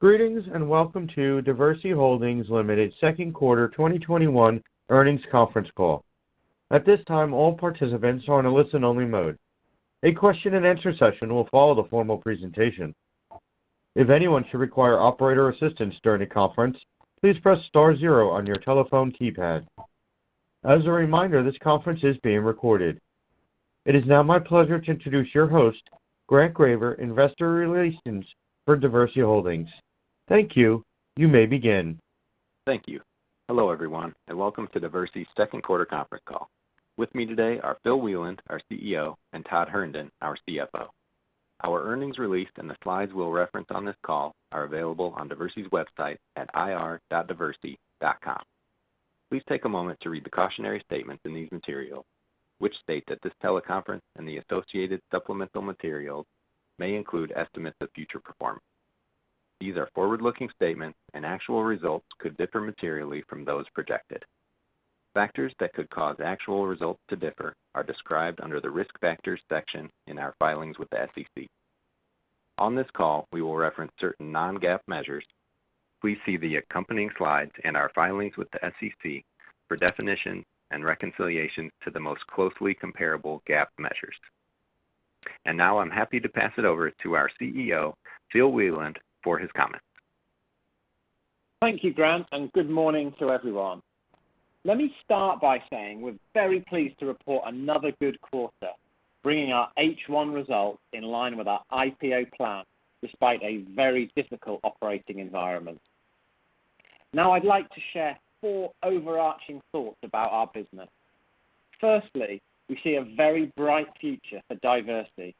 Greetings, welcome to Diversey Holdings Limited second quarter 2021 earnings conference call. At this time, all participants are in a listen-only mode. A question-and-answer session will follow the formal presentation. If anyone should require operator assistance during the conference, please press star zero on your telephone keypad. As a reminder, this conference is being recorded. It is now my pleasure to introduce your host, Grant Graver, investor relations for Diversey Holdings. Thank you. You may begin. Thank you. Hello, everyone, and welcome to Diversey's second quarter conference call. With me today are Phil Wieland, our CEO, and Todd Herndon, our CFO. Our earnings release and the slides we'll reference on this call are available on Diversey's website at ir.diversey.com. Please take a moment to read the cautionary statements in these materials, which state that this teleconference and the associated supplemental materials may include estimates of future performance. These are forward-looking statements, and actual results could differ materially from those projected. Factors that could cause actual results to differ are described under the Risk Factors section in our filings with the SEC. On this call, we will reference certain non-GAAP measures. Please see the accompanying slides and our filings with the SEC for definitions and reconciliations to the most closely comparable GAAP measures. Now I'm happy to pass it over to our CEO, Phil Wieland, for his comments. Thank you, Grant, and good morning to everyone. Let me start by saying we're very pleased to report another good quarter, bringing our H1 results in line with our IPO plan, despite a very difficult operating environment. Now I'd like to share four overarching thoughts about our business. Firstly, we see a very bright future for Diversey.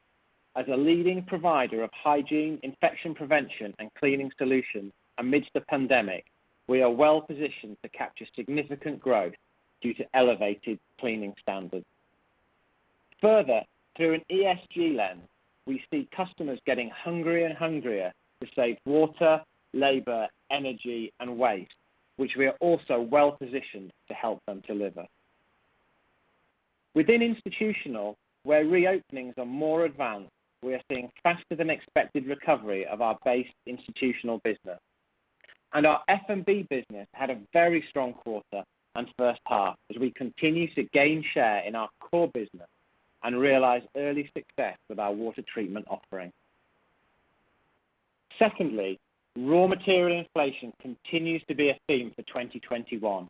As a leading provider of hygiene, infection prevention, and cleaning solutions amidst the pandemic, we are well positioned to capture significant growth due to elevated cleaning standards. Further, through an ESG lens, we see customers getting hungrier and hungrier to save water, labor, energy, and waste, which we are also well positioned to help them deliver. Within institutional, where reopenings are more advanced, we are seeing faster than expected recovery of our base institutional business. Our F&B business had a very strong quarter and first half as we continue to gain share in our core business and realize early success with our water treatment offering. Secondly, raw material inflation continues to be a theme for 2021.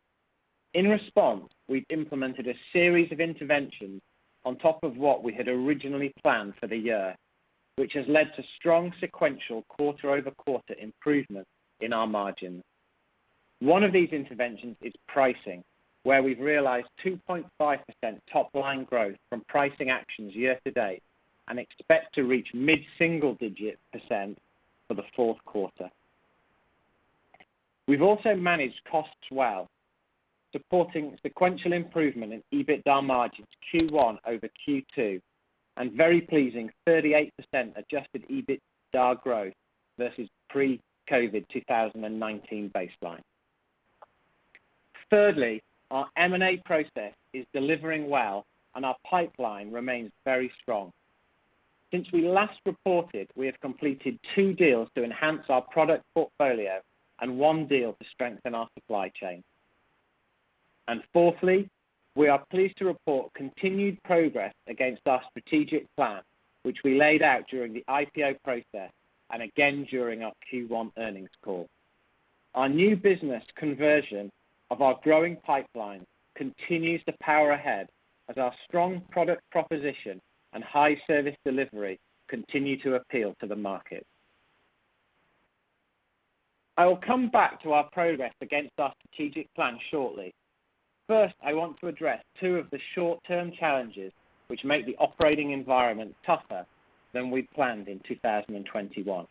In response, we've implemented a series of interventions on top of what we had originally planned for the year, which has led to strong sequential quarter-over-quarter improvements in our margins. One of these interventions is pricing, where we've realized 2.5% top-line growth from pricing actions year to date and expect to reach mid-single-digit % for the fourth quarter. We've also managed costs well, supporting sequential improvement in EBITDA margins Q1-over-Q2, and very pleasing 38% adjusted EBITDA growth versus pre-COVID 2019 baseline. Thirdly, our M&A process is delivering well, and our pipeline remains very strong. Since we last reported, we have completed two deals to enhance our product portfolio and one deal to strengthen our supply chain. Fourthly, we are pleased to report continued progress against our strategic plan, which we laid out during the IPO process and again during our Q1 earnings call. Our new business conversion of our growing pipeline continues to power ahead as our strong product proposition and high service delivery continue to appeal to the market. I will come back to our progress against our strategic plan shortly. First, I want to address two of the short-term challenges which make the operating environment tougher than we planned in 2021.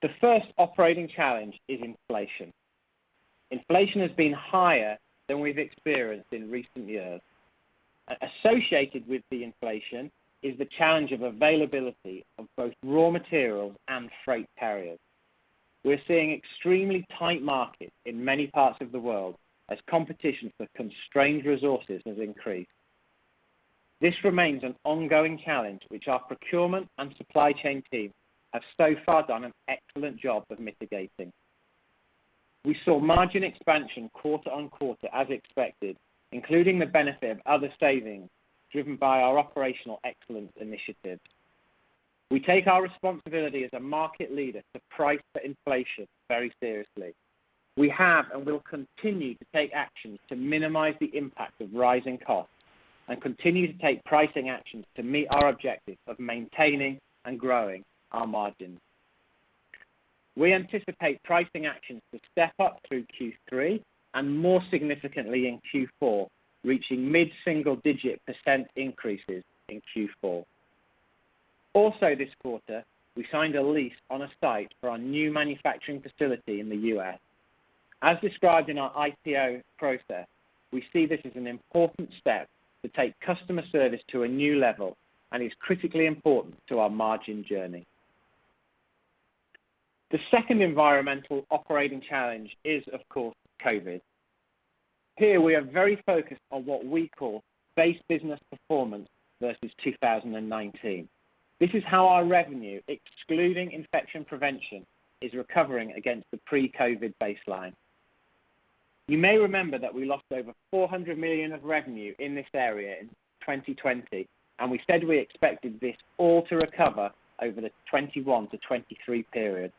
The first operating challenge is inflation. Inflation has been higher than we've experienced in recent years. Associated with the inflation is the challenge of availability of both raw materials and freight carriers. We're seeing extremely tight markets in many parts of the world as competition for constrained resources has increased. This remains an ongoing challenge which our procurement and supply chain team have so far done an excellent job of mitigating. We saw margin expansion quarter-on-quarter as expected, including the benefit of other savings driven by our operational excellence initiatives. We take our responsibility as a market leader to price for inflation very seriously. We have and will continue to take actions to minimize the impact of rising costs and continue to take pricing actions to meet our objective of maintaining and growing our margins. We anticipate pricing actions to step up through Q3, and more significantly in Q4, reaching mid-single digit % increases in Q4. Also this quarter, we signed a lease on a site for our new manufacturing facility in the U.S. As described in our IPO process, we see this as an important step to take customer service to a new level and is critically important to our margin journey. The second environmental operating challenge is, of course, COVID. Here we are very focused on what we call base business performance versus 2019. This is how our revenue, excluding infection prevention, is recovering against the pre-COVID baseline. You may remember that we lost over $400 million of revenue in this area in 2020, and we said we expected this all to recover over the 2021-2023 period.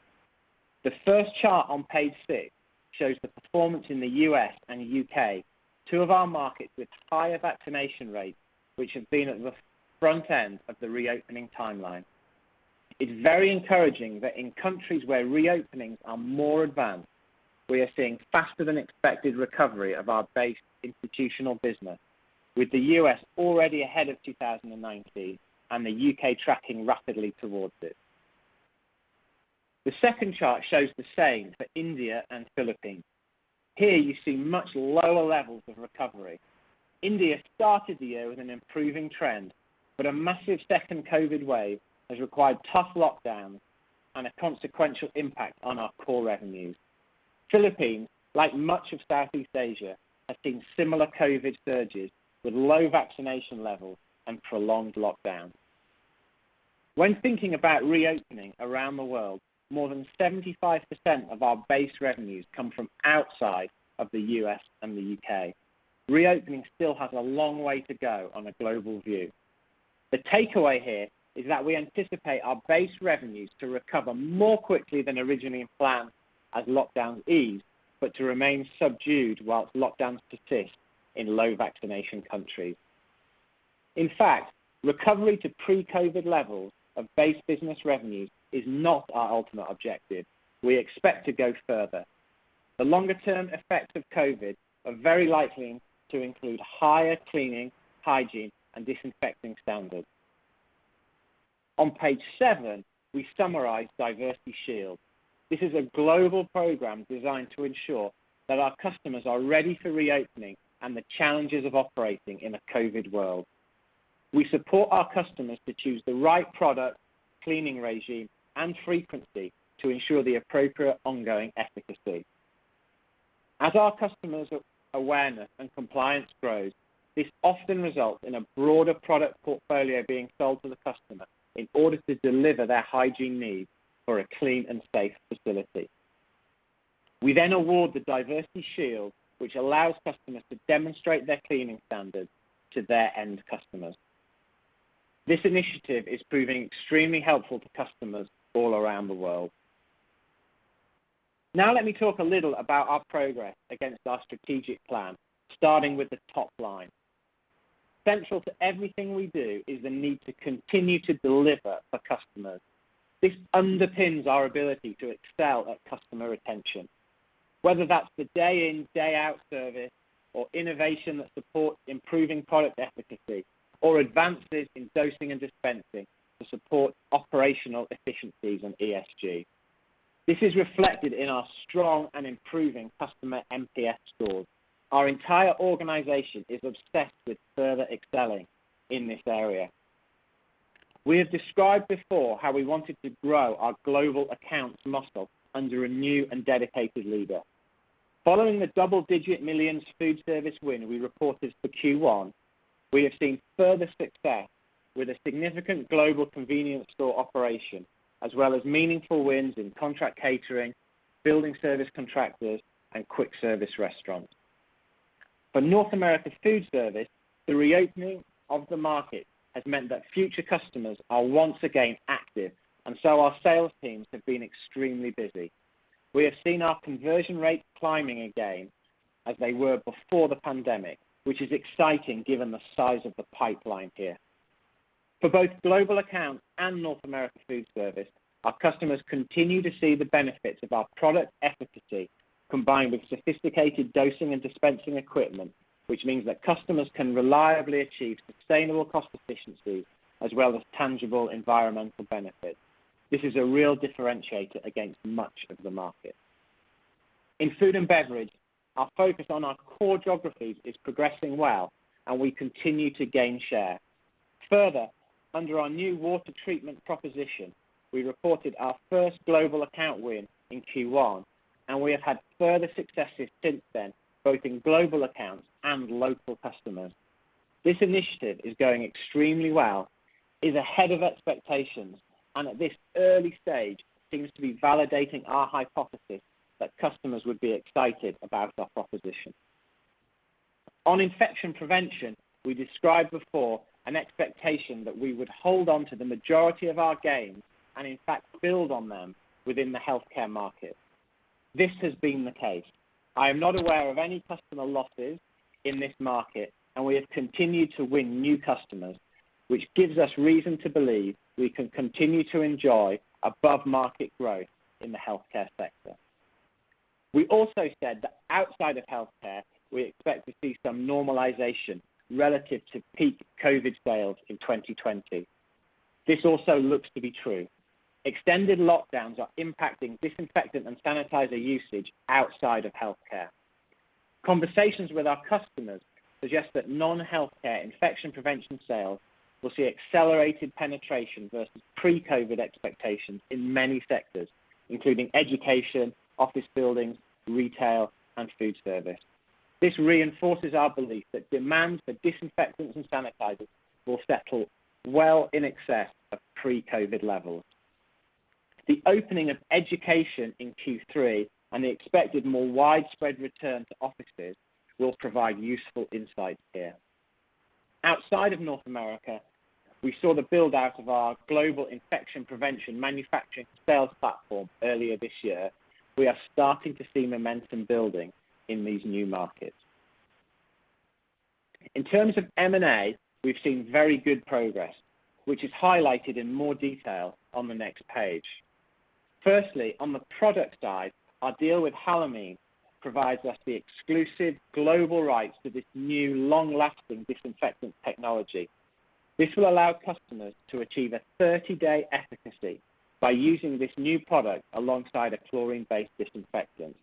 The first chart on page six shows the performance in the U.S. and the U.K., two of our markets with higher vaccination rates, which have been at the front end of the reopening timeline. It's very encouraging that in countries where reopenings are more advanced, we are seeing faster than expected recovery of our base institutional business with the U.S. already ahead of 2019 and the U.K. tracking rapidly towards it. The second chart shows the same for India and Philippines. Here you see much lower levels of recovery. India started the year with an improving trend, but a massive second COVID wave has required tough lockdowns and a consequential impact on our core revenues. Philippines, like much of Southeast Asia, has seen similar COVID surges with low vaccination levels and prolonged lockdowns. When thinking about reopening around the world, more than 75% of our base revenues come from outside of the U.S. and the U.K. Reopening still has a long way to go on a global view. The takeaway here is that we anticipate our base revenues to recover more quickly than originally planned as lockdowns ease, but to remain subdued whilst lockdowns persist in low vaccination countries. In fact, recovery to pre-COVID levels of base business revenues is not our ultimate objective. We expect to go further. The longer term effects of COVID are very likely to include higher cleaning, hygiene, and disinfecting standards. On page seven, we summarize Diversey Shield. This is a global program designed to ensure that our customers are ready for reopening and the challenges of operating in a COVID world. We support our customers to choose the right product, cleaning regime, and frequency to ensure the appropriate ongoing efficacy. As our customers' awareness and compliance grows, this often results in a broader product portfolio being sold to the customer in order to deliver their hygiene needs for a clean and safe facility. We award the Diversey Shield, which allows customers to demonstrate their cleaning standards to their end customers. This initiative is proving extremely helpful to customers all around the world. Now, let me talk a little about our progress against our strategic plan, starting with the top line. Central to everything we do is the need to continue to deliver for customers. This underpins our ability to excel at customer retention, whether that's the day in, day out service or innovation that supports improving product efficacy or advances in dosing and dispensing to support operational efficiencies and ESG. This is reflected in our strong and improving customer NPS scores. Our entire organization is obsessed with further excelling in this area. We have described before how we wanted to grow our global accounts muscle under a new and dedicated leader. Following the double-digit millions foodservice win we reported for Q1, we have seen further success with a significant global convenience store operation as well as meaningful wins in contract catering, building service contractors, and quick service restaurants. For North America foodservice, the reopening of the market has meant that future customers are once again active, and so our sales teams have been extremely busy. We have seen our conversion rates climbing again as they were before the pandemic, which is exciting given the size of the pipeline here. For both global account and North America foodservice, our customers continue to see the benefits of our product efficacy combined with sophisticated dosing and dispensing equipment, which means that customers can reliably achieve sustainable cost efficiencies as well as tangible environmental benefits. This is a real differentiator against much of the market. In food and beverage, our focus on our core geographies is progressing well, and we continue to gain share. Further, under our new water treatment proposition, we reported our first global account win in Q1, and we have had further successes since then, both in global accounts and local customers. This initiative is going extremely well, is ahead of expectations, and at this early stage seems to be validating our hypothesis that customers would be excited about our proposition. On infection prevention, we described before an expectation that we would hold onto the majority of our gains and in fact build on them within the healthcare market. This has been the case. I am not aware of any customer losses in this market, and we have continued to win new customers, which gives us reason to believe we can continue to enjoy above-market growth in the healthcare sector. We also said that outside of healthcare, we expect to see some normalization relative to peak COVID sales in 2020. This also looks to be true. Extended lockdowns are impacting disinfectant and sanitizer usage outside of healthcare. Conversations with our customers suggest that non-healthcare infection prevention sales will see accelerated penetration versus pre-COVID expectations in many sectors, including education, office buildings, retail, and foodservice. This reinforces our belief that demands for disinfectants and sanitizers will settle well in excess of pre-COVID levels. The opening of education in Q3 and the expected more widespread return to offices will provide useful insights here. Outside of North America, we saw the build-out of our global infection prevention manufacturing sales platform earlier this year. We are starting to see momentum building in these new markets. In terms of M&A, we've seen very good progress, which is highlighted in more detail on the next page. On the product side, our deal with Halomine provides us the exclusive global rights to this new long-lasting disinfectant technology. This will allow customers to achieve a 30-day efficacy by using this new product alongside a chlorine-based disinfectant.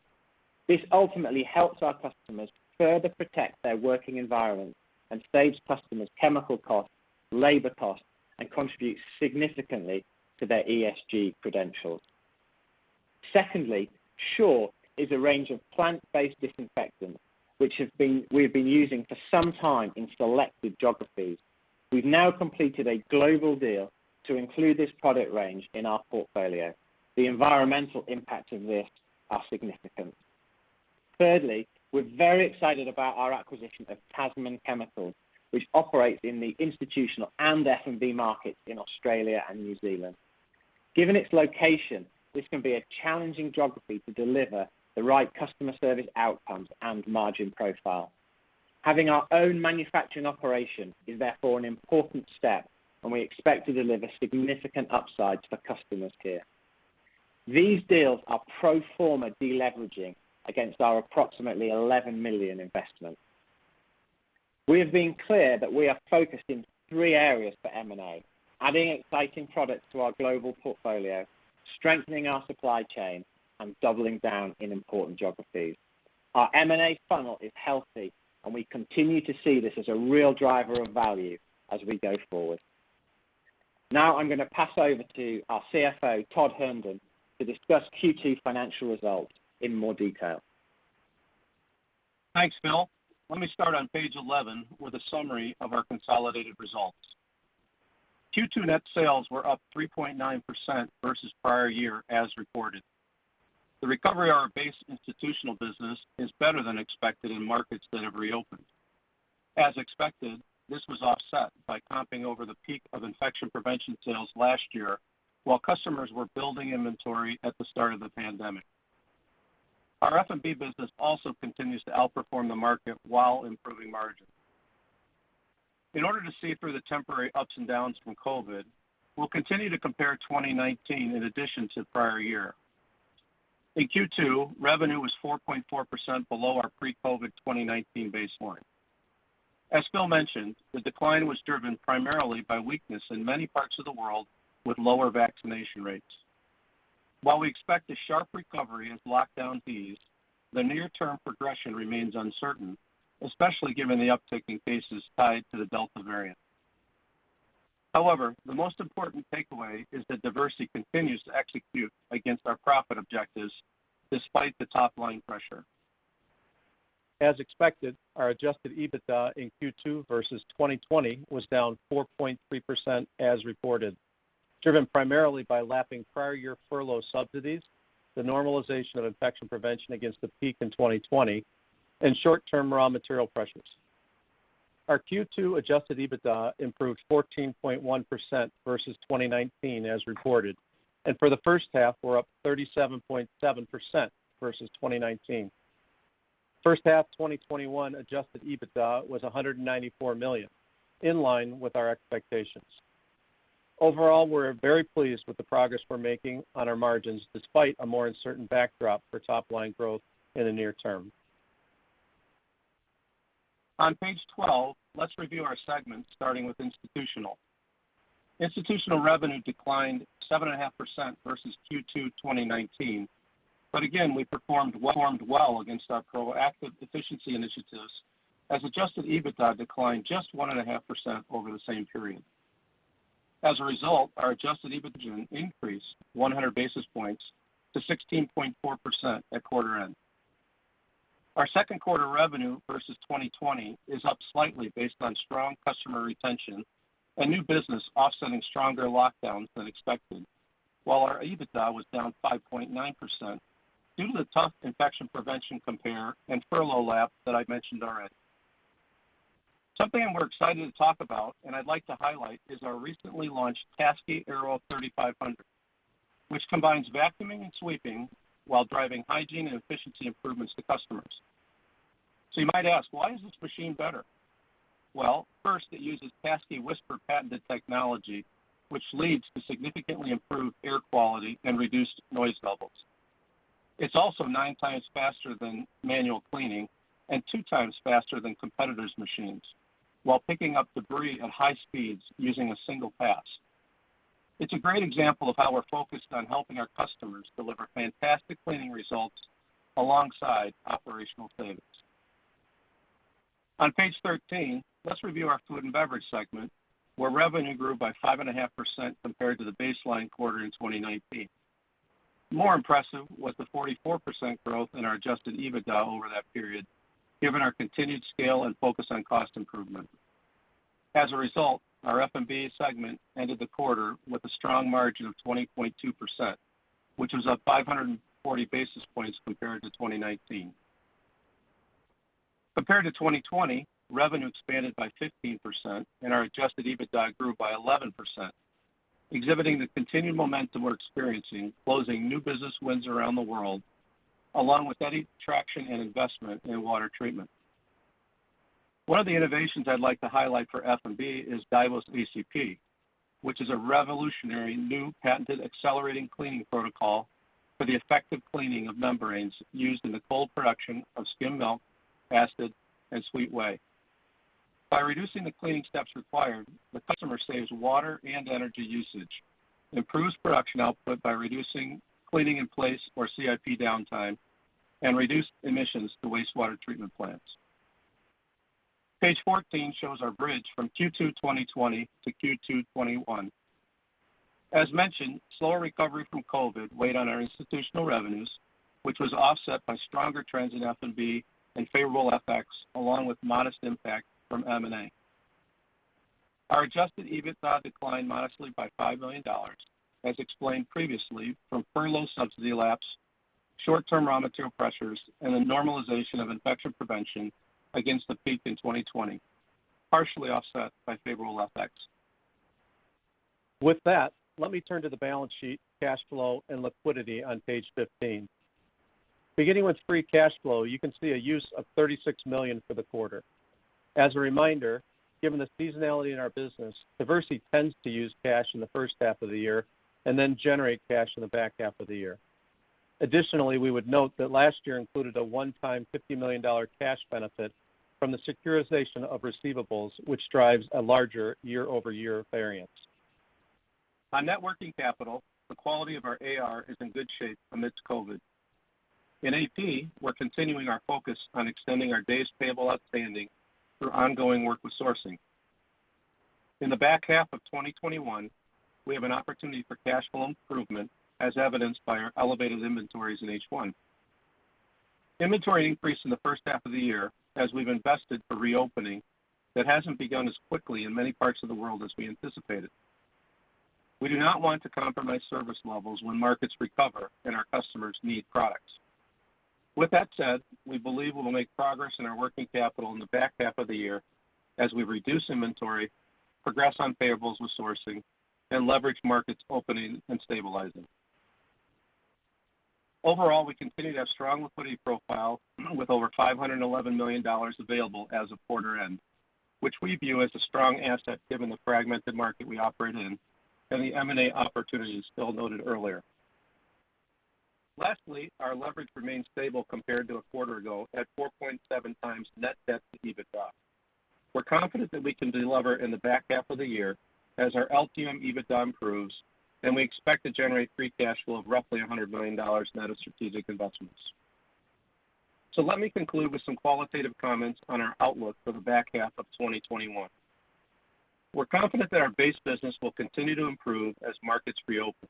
This ultimately helps our customers further protect their working environment and saves customers chemical costs, labor costs, and contributes significantly to their ESG credentials. SURE is a range of plant-based disinfectants, which we've been using for some time in selected geographies. We've now completed a global deal to include this product range in our portfolio. The environmental impact of this are significant. We're very excited about our acquisition of Tasman Chemicals, which operates in the institutional and F&B markets in Australia and New Zealand. Given its location, this can be a challenging geography to deliver the right customer service outcomes and margin profile. Having our own manufacturing operation is therefore an important step, and we expect to deliver significant upsides for customers here. These deals are pro forma deleveraging against our approximately $11 million investment. We have been clear that we are focused in three areas for M&A, adding exciting products to our global portfolio, strengthening our supply chain, and doubling down in important geographies. Our M&A funnel is healthy, and we continue to see this as a real driver of value as we go forward. Now, I'm going to pass over to our CFO, Todd Herndon, to discuss Q2 financial results in more detail. Thanks, Phil. Let me start on page 11 with a summary of our consolidated results. Q2 net sales were up 3.9% versus prior year as reported. The recovery of our base institutional business is better than expected in markets that have reopened. As expected, this was offset by comping over the peak of infection prevention sales last year, while customers were building inventory at the start of the pandemic. Our F&B business also continues to outperform the market while improving margin. In order to see through the temporary ups and downs from COVID, we'll continue to compare 2019 in addition to prior year. In Q2, revenue was 4.4% below our pre-COVID 2019 baseline. As Phil mentioned, the decline was driven primarily by weakness in many parts of the world with lower vaccination rates. While we expect a sharp recovery as lockdown ease, the near-term progression remains uncertain, especially given the uptick in cases tied to the Delta variant. However, the most important takeaway is that Diversey continues to execute against our profit objectives despite the top-line pressure. As expected, our adjusted EBITDA in Q2 versus 2020 was down 4.3% as reported, driven primarily by lapping prior year furlough subsidies, the normalization of infection prevention against the peak in 2020, and short-term raw material pressures. Our Q2 adjusted EBITDA improved 14.1% versus 2019 as recorded, and for the first half were up 37.7% versus 2019. First half 2021 adjusted EBITDA was $194 million, in line with our expectations. Overall, we're very pleased with the progress we're making on our margins, despite a more uncertain backdrop for top-line growth in the near term. On page 12, let's review our segments, starting with institutional. Institutional revenue declined 7.5% versus Q2 2019. We performed well against our proactive efficiency initiatives as adjusted EBITDA declined just 1.5% over the same period. Our adjusted EBITDA increased 100 basis points to 16.4% at quarter end. Our second quarter revenue versus 2020 is up slightly based on strong customer retention and new business offsetting stronger lockdowns than expected. While our EBITDA was down 5.9% due to the tough infection prevention compare and furlough lap that I've mentioned already. Something we're excited to talk about and I'd like to highlight is our recently launched TASKI AERO 3500, which combines vacuuming and sweeping while driving hygiene and efficiency improvements to customers. You might ask, why is this machine better? It uses TASKI Whisper patented technology, which leads to significantly improved air quality and reduced noise levels. It's also nine times faster than manual cleaning and two times faster than competitors' machines, while picking up debris at high speeds using a single pass. It's a great example of how we're focused on helping our customers deliver fantastic cleaning results alongside operational savings. On page 13, let's review our Food and Beverage segment, where revenue grew by 5.5% compared to the baseline quarter in 2019. More impressive was the 44% growth in our adjusted EBITDA over that period, given our continued scale and focus on cost improvement. As a result, our F&B segment ended the quarter with a strong margin of 20.2%, which was up 540 basis points compared to 2019. Compared to 2020, revenue expanded by 15%, and our adjusted EBITDA grew by 11%, exhibiting the continued momentum we're experiencing closing new business wins around the world, along with any traction and investment in water treatment. One of the innovations I'd like to highlight for F&B is Diversey's ACP, which is a revolutionary new patented accelerating cleaning protocol for the effective cleaning of membranes used in the cold production of skim milk, acid, and sweet whey. By reducing the cleaning steps required, the customer saves water and energy usage, improves production output by reducing cleaning in place or CIP downtime, and reduced emissions to wastewater treatment plants. Page 14 shows our bridge from Q2 2020 to Q2 2021. As mentioned, slower recovery from COVID weighed on our institutional revenues, which was offset by stronger trends in F&B and favorable FX, along with modest impact from M&A. Our adjusted EBITDA declined modestly by $5 million, as explained previously, from furlough subsidy lapse, short-term raw material pressures, and the normalization of infection prevention against the peak in 2020, partially offset by favorable FX. Let me turn to the balance sheet, cash flow, and liquidity on page 15. Beginning with free cash flow, you can see a use of $36 million for the quarter. As a reminder, given the seasonality in our business, Diversey tends to use cash in the first half of the year and then generate cash in the back half of the year. Additionally, we would note that last year included a one-time $50 million cash benefit from the securitization of receivables, which drives a larger year-over-year variance. On net working capital, the quality of our AR is in good shape amidst COVID. In AP, we're continuing our focus on extending our days payable outstanding through ongoing work with sourcing. In the back half of 2021, we have an opportunity for cash flow improvement, as evidenced by our elevated inventories in H1. Inventory increased in the first half of the year as we've invested for reopening that hasn't begun as quickly in many parts of the world as we anticipated. We do not want to compromise service levels when markets recover and our customers need products. With that said, we believe we'll make progress in our working capital in the back half of the year as we reduce inventory, progress on payables with sourcing, and leverage markets opening and stabilizing. Overall, we continue to have strong liquidity profile with over $511 million available as of quarter end, which we view as a strong asset given the fragmented market we operate in and the M&A opportunities Phil noted earlier. Lastly, our leverage remains stable compared to a quarter ago at 4.7x net debt to EBITDA. We're confident that we can delever in the back half of the year as our LTM EBITDA improves, and we expect to generate free cash flow of roughly $100 million net of strategic investments. Let me conclude with some qualitative comments on our outlook for the back half of 2021. We're confident that our base business will continue to improve as markets reopen,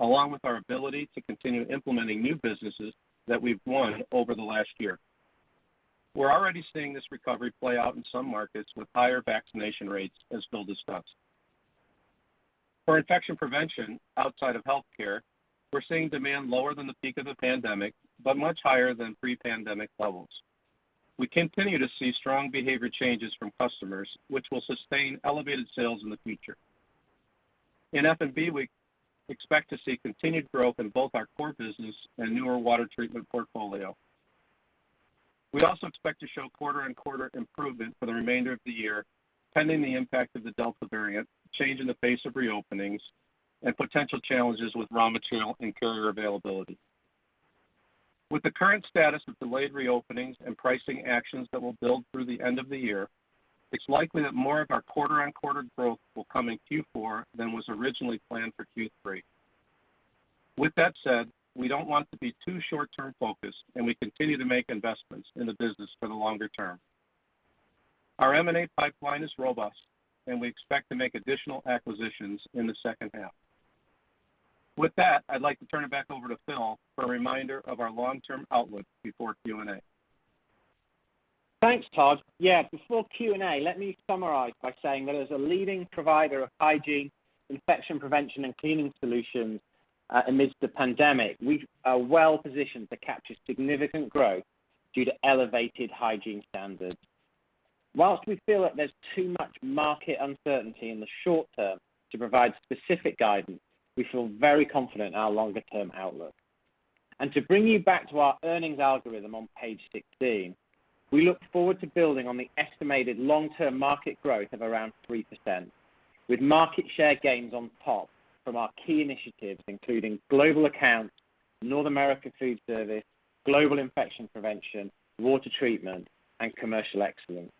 along with our ability to continue implementing new businesses that we've won over the last year. We're already seeing this recovery play out in some markets with higher vaccination rates as Phil discussed. For infection prevention outside of healthcare, we're seeing demand lower than the peak of the pandemic, but much higher than pre-pandemic levels. We continue to see strong behavior changes from customers, which will sustain elevated sales in the future. In F&B, we expect to see continued growth in both our core business and newer water treatment portfolio. We also expect to show quarter-on-quarter improvement for the remainder of the year, pending the impact of the Delta variant, change in the pace of reopenings, and potential challenges with raw material and carrier availability. With the current status of delayed reopenings and pricing actions that will build through the end of the year, it's likely that more of our quarter-on-quarter growth will come in Q4 than was originally planned for Q3. We don't want to be too short-term focused, and we continue to make investments in the business for the longer term. Our M&A pipeline is robust, and we expect to make additional acquisitions in the second half. I'd like to turn it back over to Phil for a reminder of our long-term outlook before Q&A. Thanks, Todd. Before Q&A, let me summarize by saying that as a leading provider of hygiene, infection prevention, and cleaning solutions amidst the pandemic, we are well positioned to capture significant growth due to elevated hygiene standards. Whilst we feel that there's too much market uncertainty in the short term to provide specific guidance, we feel very confident in our longer-term outlook. To bring you back to our earnings algorithm on page 16, we look forward to building on the estimated long-term market growth of around 3%, with market share gains on top from our key initiatives, including global accounts, North America food service, global infection prevention, water treatment, and commercial excellence,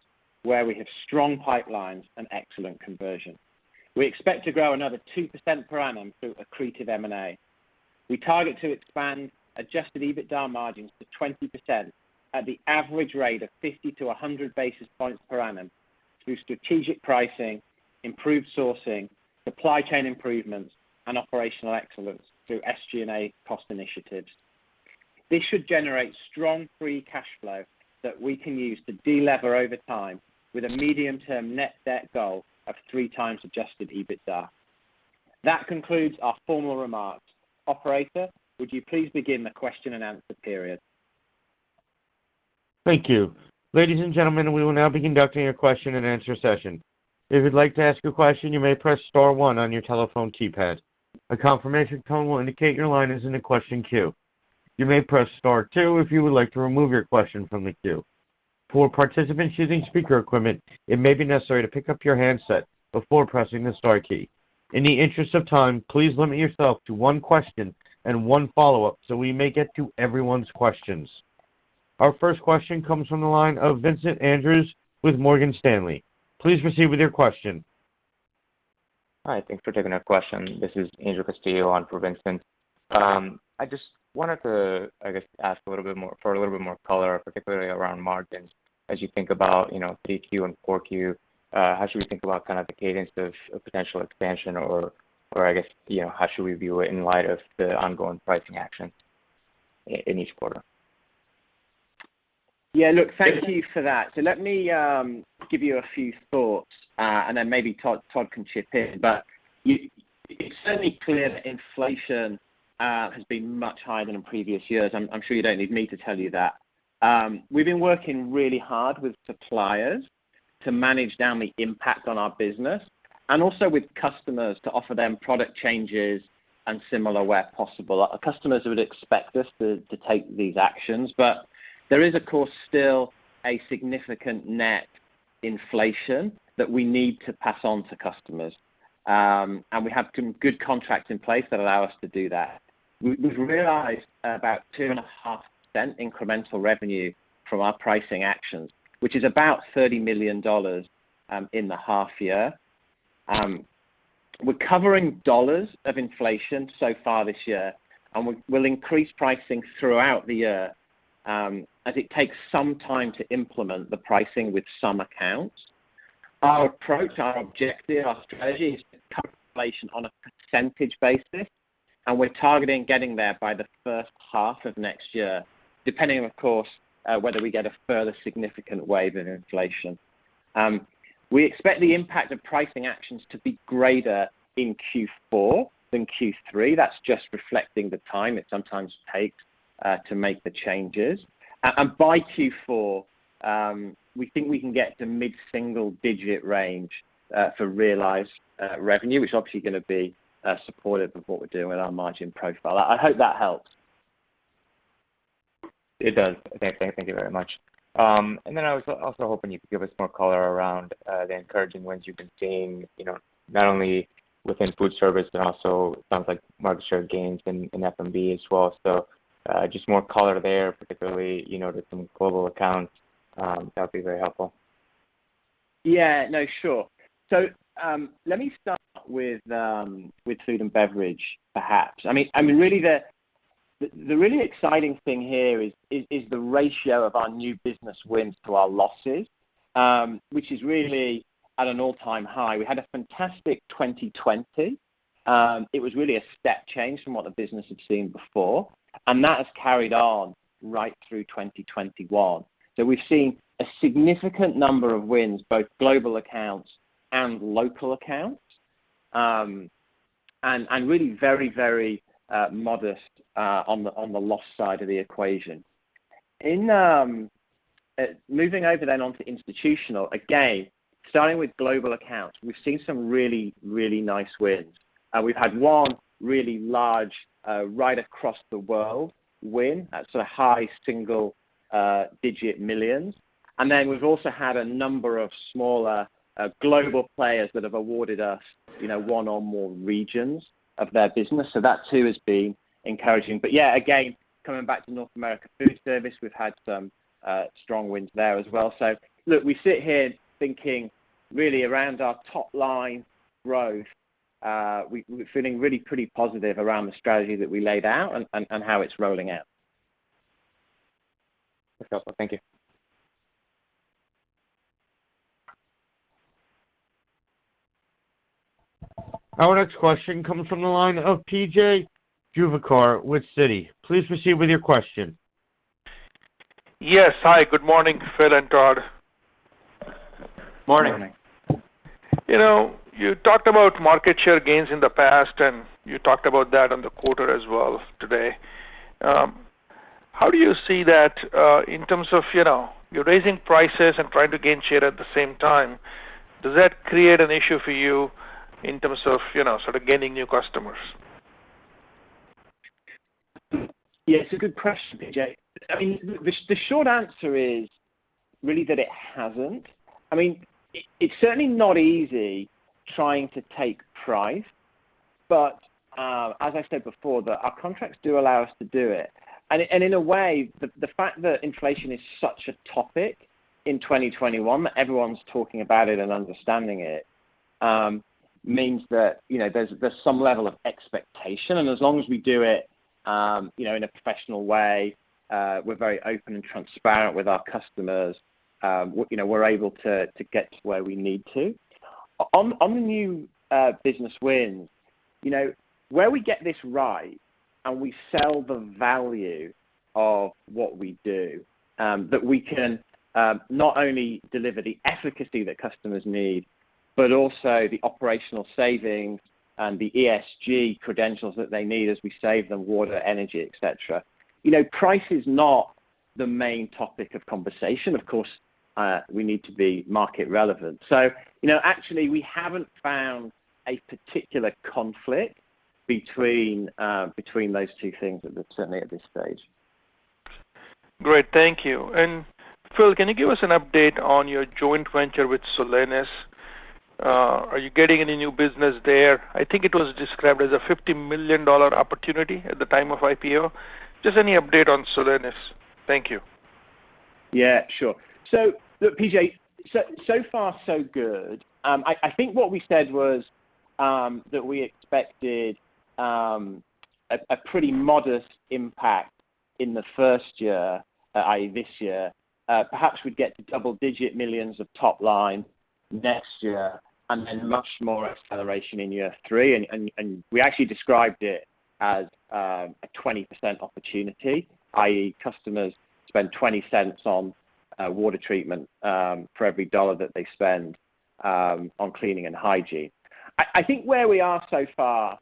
where we have strong pipelines and excellent conversion. We expect to grow another 2% per annum through accretive M&A. We target to expand adjusted EBITDA margins to 20% at the average rate of 50-100 basis points per annum through strategic pricing, improved sourcing, supply chain improvements, and operational excellence through SG&A cost initiatives. This should generate strong free cash flow that we can use to delever over time with a medium-term net debt goal of 3x adjusted EBITDA. That concludes our formal remarks. Operator, would you please begin the question-and-answer period? Thank you. Ladies and gentlemen, we will now be conducting a question-and-answer session. If you'd like to ask a question, you may press star one on your telephone keypad. A confirmation tone will indicate your line is in the question queue. You may press star two if you would like to remove your question from the queue. For participants using speaker equipment, it may be necessary to pick up your handset before pressing the star key. In the interest of time, please limit yourself to one question and one follow-up so we may get to everyone's questions. Our first question comes from the line of Vincent Andrews with Morgan Stanley. Please proceed with your question. Hi. Thanks for taking our question. This is Angel Castillo on for Vincent. I just wanted to, I guess, ask for a little bit more color, particularly around margins as you think about Q3 and Q4. How should we think about the cadence of potential expansion or, I guess, how should we view it in light of the ongoing pricing action in each quarter? Yeah. Look, thank you for that. Let me give you a few thoughts, and then maybe Todd can chip in. It's certainly clear that inflation has been much higher than in previous years. I'm sure you don't need me to tell you that. We've been working really hard with suppliers to manage down the impact on our business and also with customers to offer them product changes and similar where possible. Our customers would expect us to take these actions. There is, of course, still a significant net inflation that we need to pass on to customers, and we have some good contracts in place that allow us to do that. We've realized about 2.5% incremental revenue from our pricing actions, which is about $30 million in the half year. We're covering dollars of inflation so far this year, and we'll increase pricing throughout the year as it takes some time to implement the pricing with some accounts. Our approach, our objective, our strategy is to cut inflation on a percentage basis, and we're targeting getting there by the first half of next year, depending, of course, whether we get a further significant wave in inflation. We expect the impact of pricing actions to be greater in Q4 than Q3. That's just reflecting the time it sometimes takes to make the changes. By Q4, we think we can get to mid-single digit range for realized revenue, which is obviously going to be supportive of what we're doing with our margin profile. I hope that helps. It does. Thank you very much. Then I was also hoping you could give us more color around the encouraging wins you've been seeing, not only within food service but also it sounds like market share gains in F&B as well. Just more color there, particularly with some global accounts, that would be very helpful. Yeah. No, sure. Let me start with Food and Beverage, perhaps. The really exciting thing here is the ratio of our new business wins to our losses, which is really at an all-time high. We had a fantastic 2020. It was really a step change from what the business had seen before, and that has carried on right through 2021. We've seen a significant number of wins, both global accounts and local accounts, and really very modest on the loss side of the equation. Moving over then onto institutional, again, starting with global accounts, we've seen some really nice wins. We've had one really large right across the world win, so high single-digit millions. We've also had a number of smaller global players that have awarded us one or more regions of their business. That too has been encouraging. Yeah, again, coming back to North America food service, we've had some strong wins there as well. Look, we sit here thinking really around our top-line growth. We're feeling really pretty positive around the strategy that we laid out and how it's rolling out. That's helpful. Thank you. Our next question comes from the line of P.J. Juvekar with Citi. Please proceed with your question. Yes. Hi, good morning, Phil and Todd. Morning. Morning. You talked about market share gains in the past, and you talked about that on the quarter as well today. How do you see that in terms of, you're raising prices and trying to gain share at the same time, does that create an issue for you in terms of sort of gaining new customers? It's a good question, P.J. The short answer is really that it hasn't. It's certainly not easy trying to take price, but as I said before, our contracts do allow us to do it. In a way, the fact that inflation is such a topic in 2021, everyone's talking about it and understanding it means that there's some level of expectation. As long as we do it in a professional way, we're very open and transparent with our customers, we're able to get to where we need to. On the new business wins, where we get this right and we sell the value of what we do, that we can not only deliver the efficacy that customers need, but also the operational savings and the ESG credentials that they need as we save them water, energy, et cetera. Price is not the main topic of conversation. Of course, we need to be market relevant. Actually, we haven't found a particular conflict between those two things, certainly at this stage. Great. Thank you. Phil, can you give us an update on your joint venture with Solenis? Are you getting any new business there? I think it was described as a $50 million opportunity at the time of IPO. Just any update on Solenis? Thank you. Yeah, sure. Look, P.J., so far so good. I think what we said was that we expected a pretty modest impact in the first year, i.e., this year. Perhaps we'd get to double-digit millions of top line next year, much more acceleration in year three. We actually described it as a 20% opportunity, i.e., customers spend $0.20 on water treatment for every $1 that they spend on cleaning and hygiene. I think where we are so far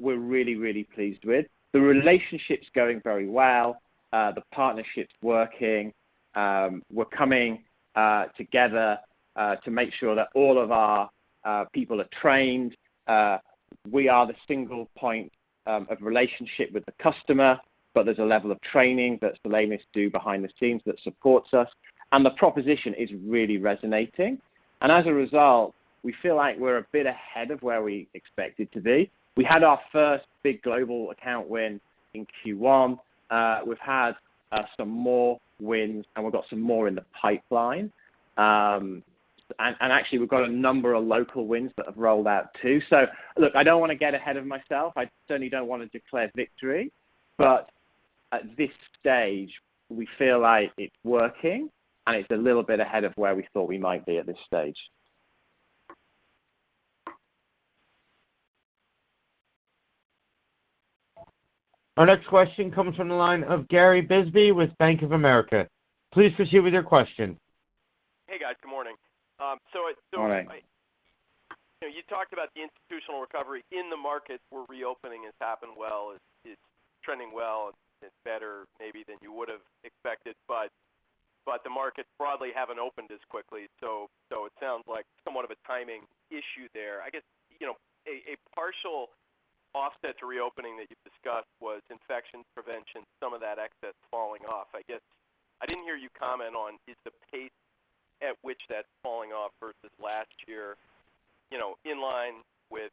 we're really pleased with. The relationship's going very well. The partnership's working. We're coming together to make sure that all of our people are trained. We are the single point of relationship with the customer, there's a level of training that Solenis do behind the scenes that supports us, the proposition is really resonating. As a result, we feel like we're a bit ahead of where we expected to be. We had our first big global account win in Q1. We've had some more wins, and we've got some more in the pipeline. Actually, we've got a number of local wins that have rolled out, too. Look, I don't want to get ahead of myself. I certainly don't want to declare victory, but at this stage, we feel like it's working, and it's a little bit ahead of where we thought we might be at this stage. Our next question comes from the line of Gary Bisbee with Bank of America. Please proceed with your question. Hey, guys. Good morning. Good morning. You talked about the institutional recovery in the markets where reopening has happened well, it's trending well, it's better maybe than you would've expected, but the markets broadly haven't opened as quickly. It sounds like somewhat of a timing issue there. I guess, a partial offset to reopening that you've discussed was infection prevention, some of that excess falling off. I guess I didn't hear you comment on is the pace at which that's falling off versus last year in line with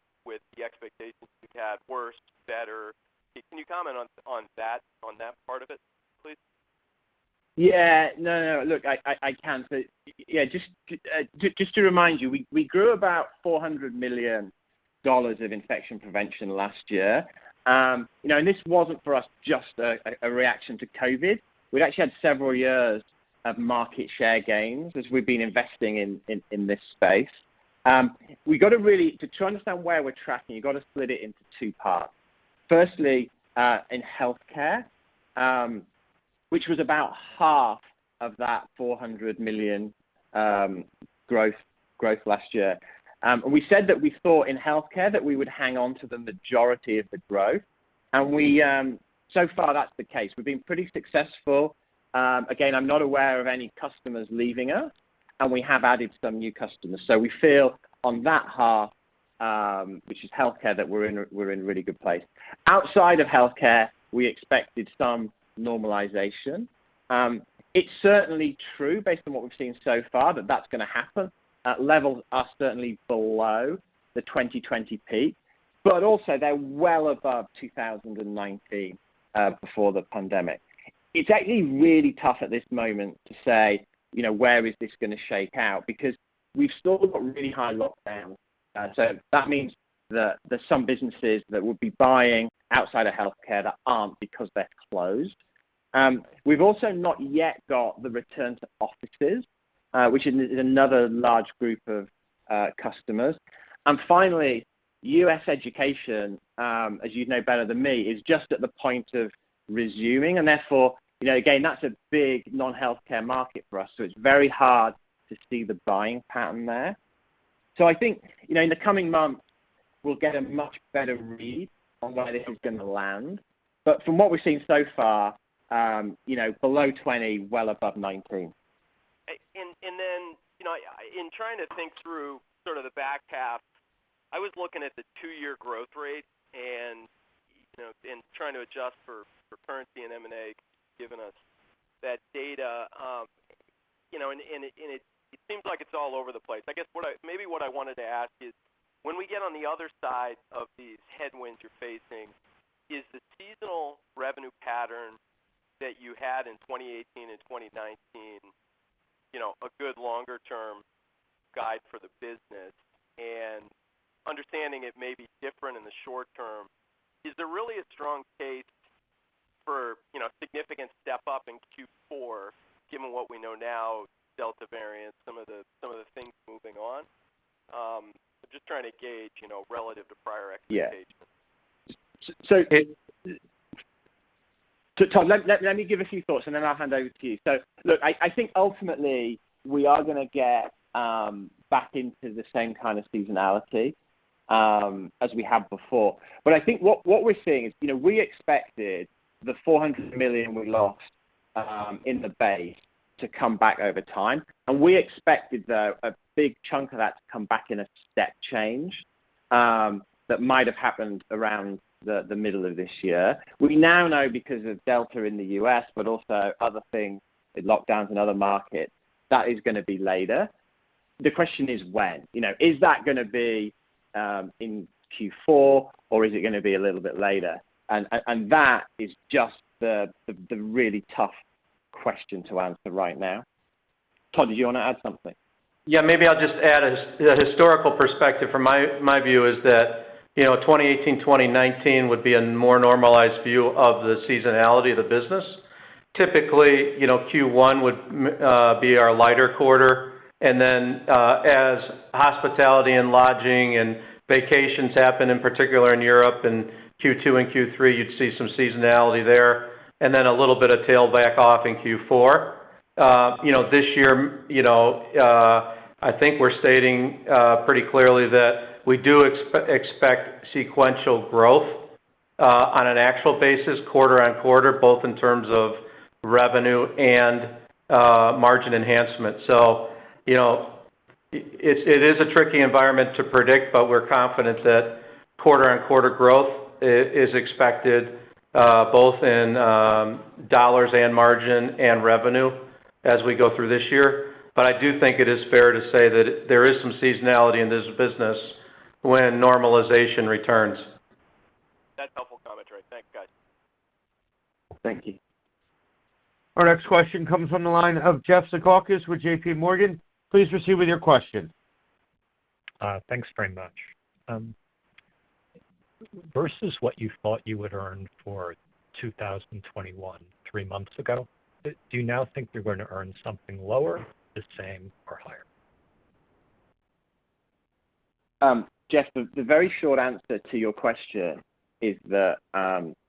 the expectations you had, worse, better? Can you comment on that part of it, please? No, look, I can. Just to remind you, we grew about $400 million of infection prevention last year. This wasn't for us just a reaction to COVID. We'd actually had several years of market share gains as we've been investing in this space. To understand where we're tracking, you've got to split it into two parts. Firstly, in healthcare, which was about 1/2 of that $400 million growth last year. We said that we thought in healthcare that we would hang on to the majority of the growth, and so far that's the case. We've been pretty successful. Again, I'm not aware of any customers leaving us, and we have added some new customers. We feel on that half, which is healthcare, that we're in a really good place. Outside of healthcare, we expected some normalization. It's certainly true, based on what we've seen so far, that that's going to happen. Levels are certainly below the 2020 peak, but also they're well above 2019, before the pandemic. It's actually really tough at this moment to say where is this going to shake out, because we've still got really high lockdowns. That means that there's some businesses that would be buying outside of healthcare that aren't because they're closed. We've also not yet got the return to offices, which is another large group of customers. Finally, U.S. education, as you'd know better than me, is just at the point of resuming and therefore, again, that's a big non-healthcare market for us, so it's very hard to see the buying pattern there. I think in the coming months we'll get a much better read on where this is going to land. From what we've seen so far, below 2020, well above 2019. In trying to think through sort of the back half, I was looking at the two-year growth rate and trying to adjust for currency and M&A given us that data, and it seems like it's all over the place. I guess maybe what I wanted to ask is, when we get on the other side of these headwinds you're facing, is the seasonal revenue pattern that you had in 2018 and 2019 a good longer-term guide for the business? Understanding it may be different in the short term, is there really a strong case for significant step-up in Q4, given what we know now, Delta variant, some of the things moving on? I'm just trying to gauge relative to prior expectations. Tom, let me give a few thoughts, and then I'll hand over to you. Look, I think ultimately we are going to get back into the same kind of seasonality as we have before. I think what we're seeing is, we expected the $400 million we lost in the base to come back over time, and we expected, though, a big chunk of that to come back in a step change that might have happened around the middle of this year. We now know because of Delta in the U.S., but also other things like lockdowns in other markets, that is going to be later. The question is when? Is that going to be in Q4, or is it going to be a little bit later? That is just the really tough question to answer right now. Todd, did you want to add something? Yeah, maybe I'll just add a historical perspective from my view is that 2018, 2019 would be a more normalized view of the seasonality of the business. Typically, Q1 would be our lighter quarter, and then as hospitality and lodging and vacations happen, in particular in Europe, in Q2 and Q3 you'd see some seasonality there, and then a little bit of tail back off in Q4. This year, I think we're stating pretty clearly that we do expect sequential growth on an actual basis quarter-on-quarter, both in terms of revenue and margin enhancement. It is a tricky environment to predict, but we're confident that quarter-on-quarter growth is expected both in dollars and margin and revenue as we go through this year. I do think it is fair to say that there is some seasonality in this business when normalization returns. That's helpful commentary. Thanks, guys. Thank you. Our next question comes from the line of Jeffrey Zekauskas with JPMorgan. Please proceed with your question. Thanks very much. Versus what you thought you would earn for 2021 three months ago, do you now think you're going to earn something lower, the same, or higher? Jeff, the very short answer to your question is that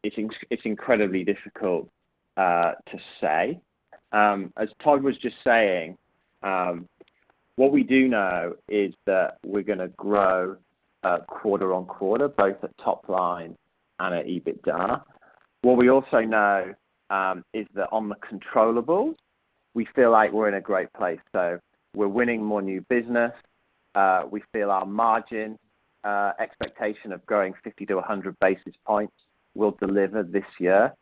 it's incredibly difficult to say. As Todd was just saying, what we do know is that we're going to grow quarter-on-quarter, both at top line and at EBITDA. What we also know is that on the controllables, we feel like we're in a great place. We're winning more new business. We feel our margin expectation of growing 50-100 basis points will deliver this year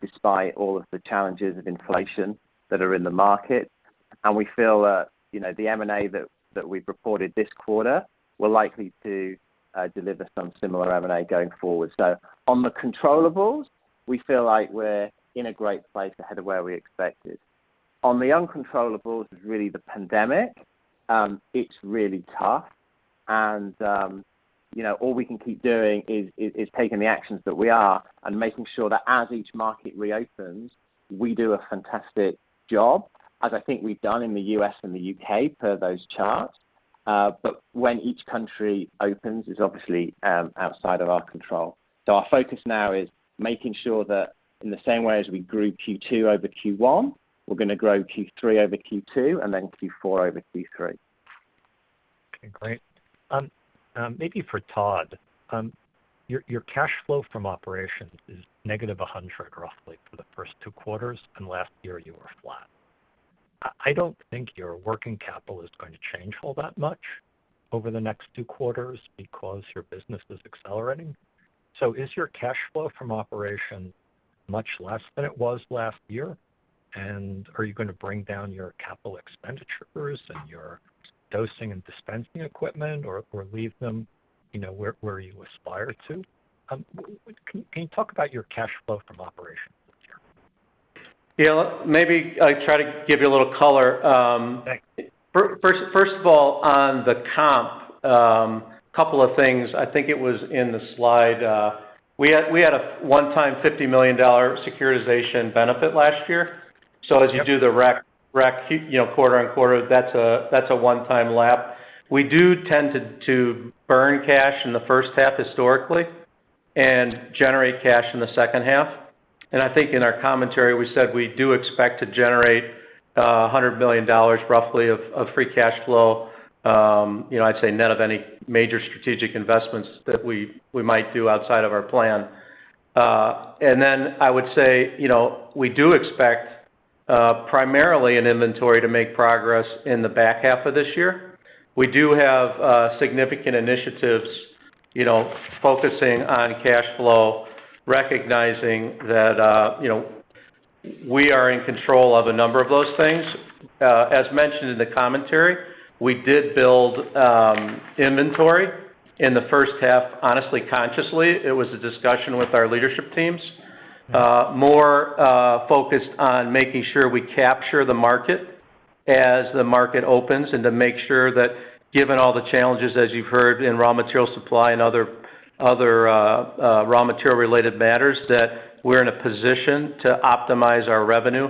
despite all of the challenges of inflation that are in the market. We feel that the M&A that we've reported this quarter will likely to deliver some similar M&A going forward. On the controllables, we feel like we're in a great place ahead of where we expected. On the uncontrollables is really the pandemic. It's really tough and all we can keep doing is taking the actions that we are and making sure that as each market reopens, we do a fantastic job, as I think we've done in the U.S. and the U.K. per those charts. When each country opens is obviously outside of our control. Our focus now is making sure that in the same way as we grew Q2 over Q1, we're going to grow Q3 over Q2, and then Q4 over Q3. Okay, great. Maybe for Todd. Your cash flow from operations is negative $100 roughly for the first two quarters, and last year you were flat. I don't think your working capital is going to change all that much over the next two quarters because your business is accelerating. Is your cash flow from operation much less than it was last year? Are you going to bring down your capital expenditures and your dosing and dispensing equipment, or leave them where you aspire to? Can you talk about your cash flow from operation this year? Yeah, maybe I'll try to give you a little color. Thanks. First of all, on the comp, couple of things. I think it was in the slide. We had a one-time $50 million securitization benefit last year. Yep. As you do the rec quarter-on-quarter, that's a one-time lap. We do tend to burn cash in the first half historically and generate cash in the second half. I think in our commentary, we said we do expect to generate $100 million roughly of free cash flow. I'd say net of any major strategic investments that we might do outside of our plan. I would say, we do expect primarily in inventory to make progress in the back half of this year. We do have significant initiatives focusing on cash flow, recognizing that we are in control of a number of those things. As mentioned in the commentary, we did build inventory in the first half, honestly, consciously. It was a discussion with our leadership teams, more focused on making sure we capture the market as the market opens, and to make sure that given all the challenges, as you've heard, in raw material supply and other raw material-related matters, that we're in a position to optimize our revenue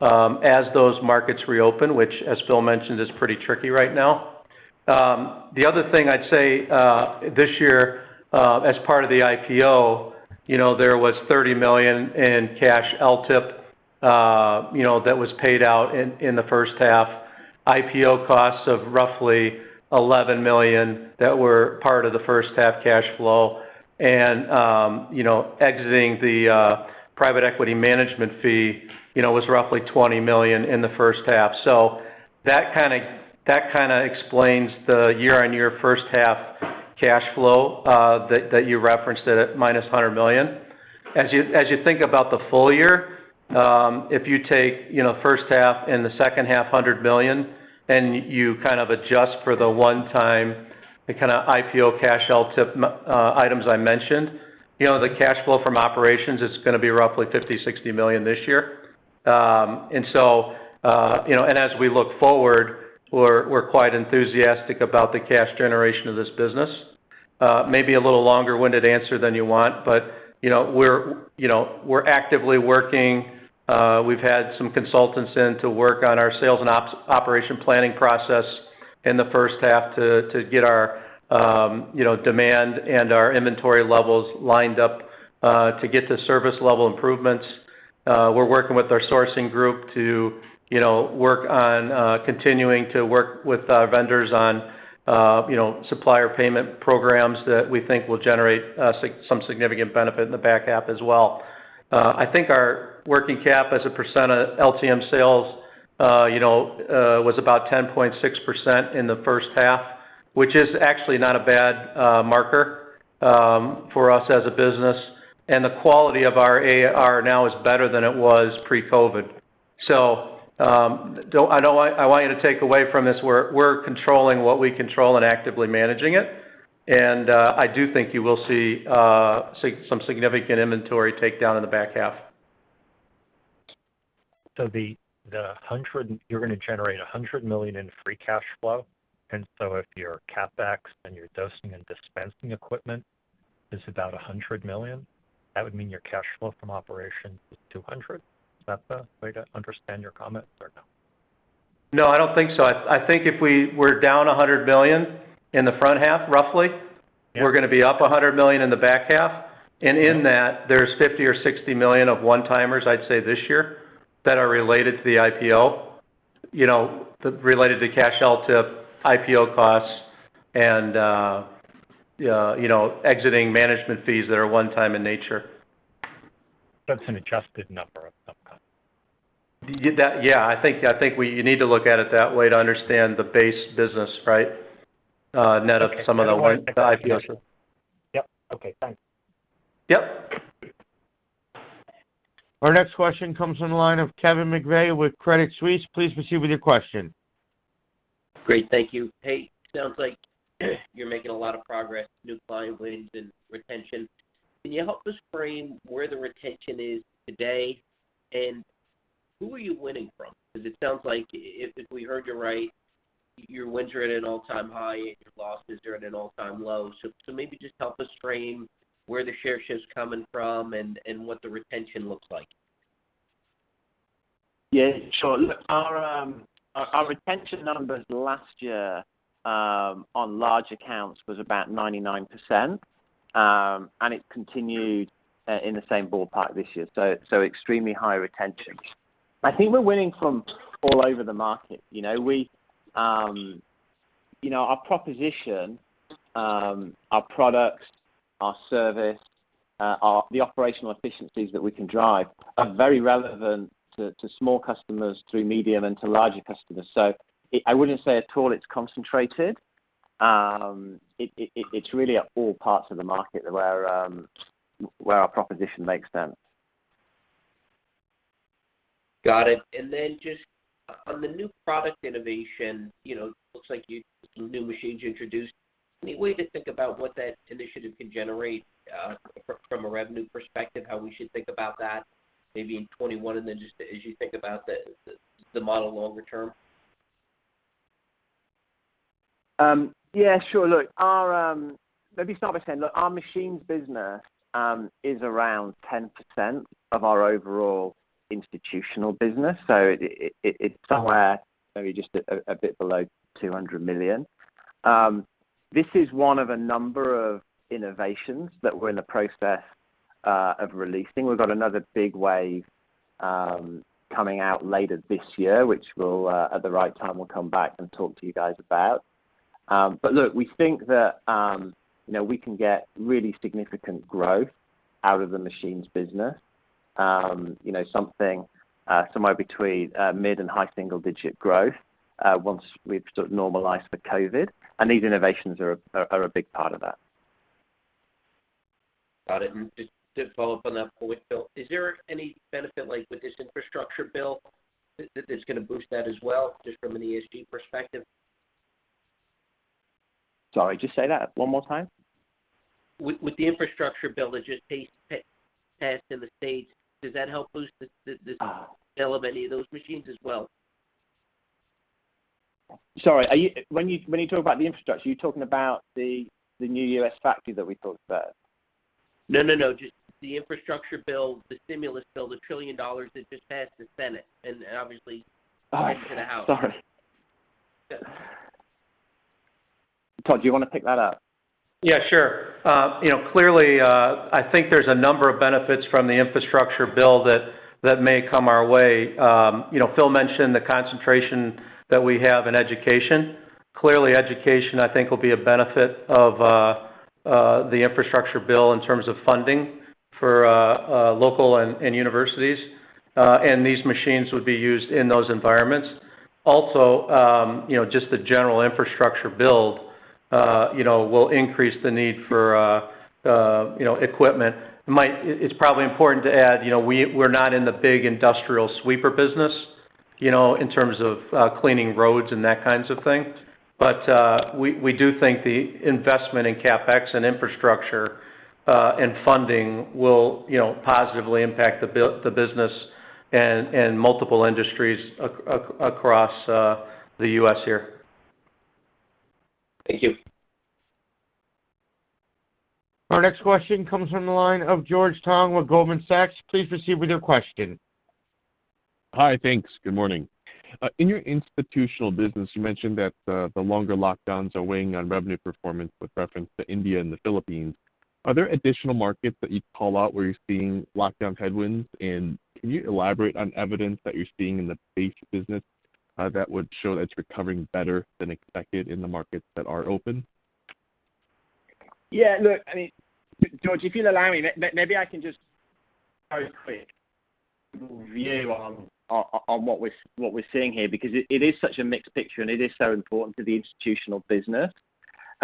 as those markets reopen, which as Phil mentioned, is pretty tricky right now. The other thing I'd say, this year, as part of the IPO, there was $30 million in cash LTIP that was paid out in the first half. IPO costs of roughly $11 million that were part of the first-half cash flow. Exiting the private equity management fee was roughly $20 million in the first half. That kind of explains the year-on-year first half cash flow that you referenced it at -$100 million. As you think about the full year, if you take first half and the second half $100 million, and you adjust for the one-time, the kind of IPO cash LTIP items I mentioned. The cash flow from operations is going to be roughly $50 million-$60 million this year. As we look forward, we're quite enthusiastic about the cash generation of this business. Maybe a little longer-winded answer than you want, but we're actively working. We've had some consultants in to work on our sales and operation planning process in the first half to get our demand and our inventory levels lined up, to get to service level improvements. We're working with our sourcing group to continuing to work with our vendors on supplier payment programs that we think will generate some significant benefit in the back half as well. I think our working cap as a % of LTM sales was about 10.6% in the first half, which is actually not a bad marker for us as a business. The quality of our AR now is better than it was pre-COVID. I want you to take away from this, we're controlling what we control and actively managing it. I do think you will see some significant inventory take down in the back half. You're going to generate $100 million in free cash flow. If your CapEx and your dosing and dispensing equipment is about $100 million, that would mean your cash flow from operation is $200 million. Is that the way to understand your comments or no? No, I don't think so. I think if we were down $100 million in the front half. Yeah We're going to be up $100 million in the back half. In that, there's $50 million or $60 million of one-timers, I'd say, this year that are related to the IPO, cash LTIP, IPO costs, and exiting management fees that are one-time in nature. That's an adjusted number of some kind. I think you need to look at it that way to understand the base business, right? Okay The IPO. Yep. Okay, thanks. Yep. Our next question comes from the line of Kevin McVeigh with Credit Suisse. Please proceed with your question. Great. Thank you. Hey, sounds like you're making a lot of progress, new client wins and retention. Can you help us frame where the retention is today, and who are you winning from? Because it sounds like, if we heard you right, your wins are at an all-time high and your losses are at an all-time low. Maybe just help us frame where the share shift's coming from and what the retention looks like. Sure. Look, our retention numbers last year on large accounts was about 99%, and it continued in the same ballpark this year. Extremely high retention. I think we're winning from all over the market. Our proposition, our products, our service, the operational efficiencies that we can drive are very relevant to small customers through medium and to larger customers. I wouldn't say at all it's concentrated. It's really at all parts of the market where our proposition makes sense. Got it. Just on the new product innovation, looks like new machines introduced. Any way to think about what that initiative can generate, from a revenue perspective, how we should think about that maybe in 2021, just as you think about the model longer term? Sure. Look, maybe start by saying, our machines business is around 10% of our overall institutional business. It's somewhere maybe just a bit below $200 million. This is one of a number of innovations that we're in the process of releasing. We've got another big wave coming out later this year, which, at the right time, we'll come back and talk to you guys about. Look, we think that we can get really significant growth out of the machines business. Somewhere between mid and high single-digit growth, once we've sort of normalized for COVID. These innovations are a big part of that. Got it. Just to follow up on that point, Phil, is there any benefit with this infrastructure bill that is going to boost that as well, just from an ESG perspective? Sorry, just say that one more time. With the infrastructure bill that just passed in the U.S., does that help boost? Sale of any of those machines as well? Sorry, when you talk about the infrastructure, are you talking about the new U.S. factory that we talked about? No. Just the infrastructure bill, the stimulus bill, the $1 trillion that just passed the Senate. Oh, sorry. Makes it to the House. Todd, do you want to pick that up? Yeah, sure. Clearly, I think there's a number of benefits from the infrastructure bill that may come our way. Phil mentioned the concentration that we have in education. Clearly, education, I think will be a benefit of the infrastructure bill in terms of funding for local and universities. These machines would be used in those environments. Also, just the general infrastructure build will increase the need for equipment. It's probably important to add we're not in the big industrial sweeper business, in terms of cleaning roads and that kinds of thing. We do think the investment in CapEx and infrastructure and funding will positively impact the business and multiple industries across the U.S. here. Thank you. Our next question comes from the line of George Tong with Goldman Sachs. Please proceed with your question. Hi, thanks. Good morning. In your institutional business, you mentioned that the longer lockdowns are weighing on revenue performance with reference to India and the Philippines. Are there additional markets that you'd call out where you're seeing lockdown headwinds? Can you elaborate on evidence that you're seeing in the base business that would show that it's recovering better than expected in the markets that are open? Yeah, look, George, if you'll allow me, maybe I can just very quick view on what we're seeing here because it is such a mixed picture, and it is so important to the institutional business.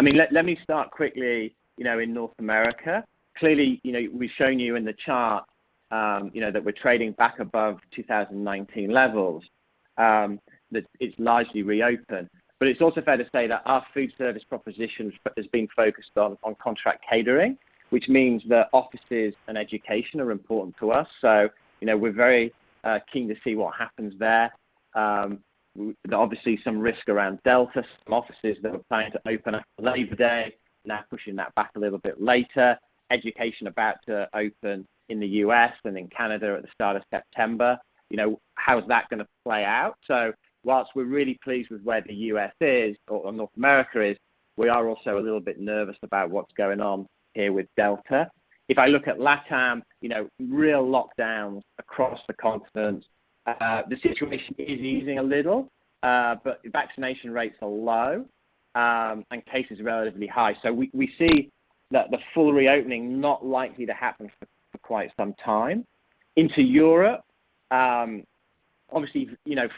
Let me start quickly in North America. Clearly, we've shown you in the chart that we're trading back above 2019 levels, that it's largely reopened. It's also fair to say that our food service proposition has been focused on contract catering, which means that offices and education are important to us. We're very keen to see what happens there. Obviously, some risk around Delta, some offices that were planning to open up for Labor Day, now pushing that back a little bit later. Education about to open in the U.S. and in Canada at the start of September. How is that going to play out? Whilst we're really pleased with where the U.S. is, or North America is, we are also a little bit nervous about what's going on here with Delta variant. If I look at LATAM, real lockdowns across the continent. The situation is easing a little, but vaccination rates are low and cases relatively high. We see that the full reopening not likely to happen for quite some time. Into Europe, obviously,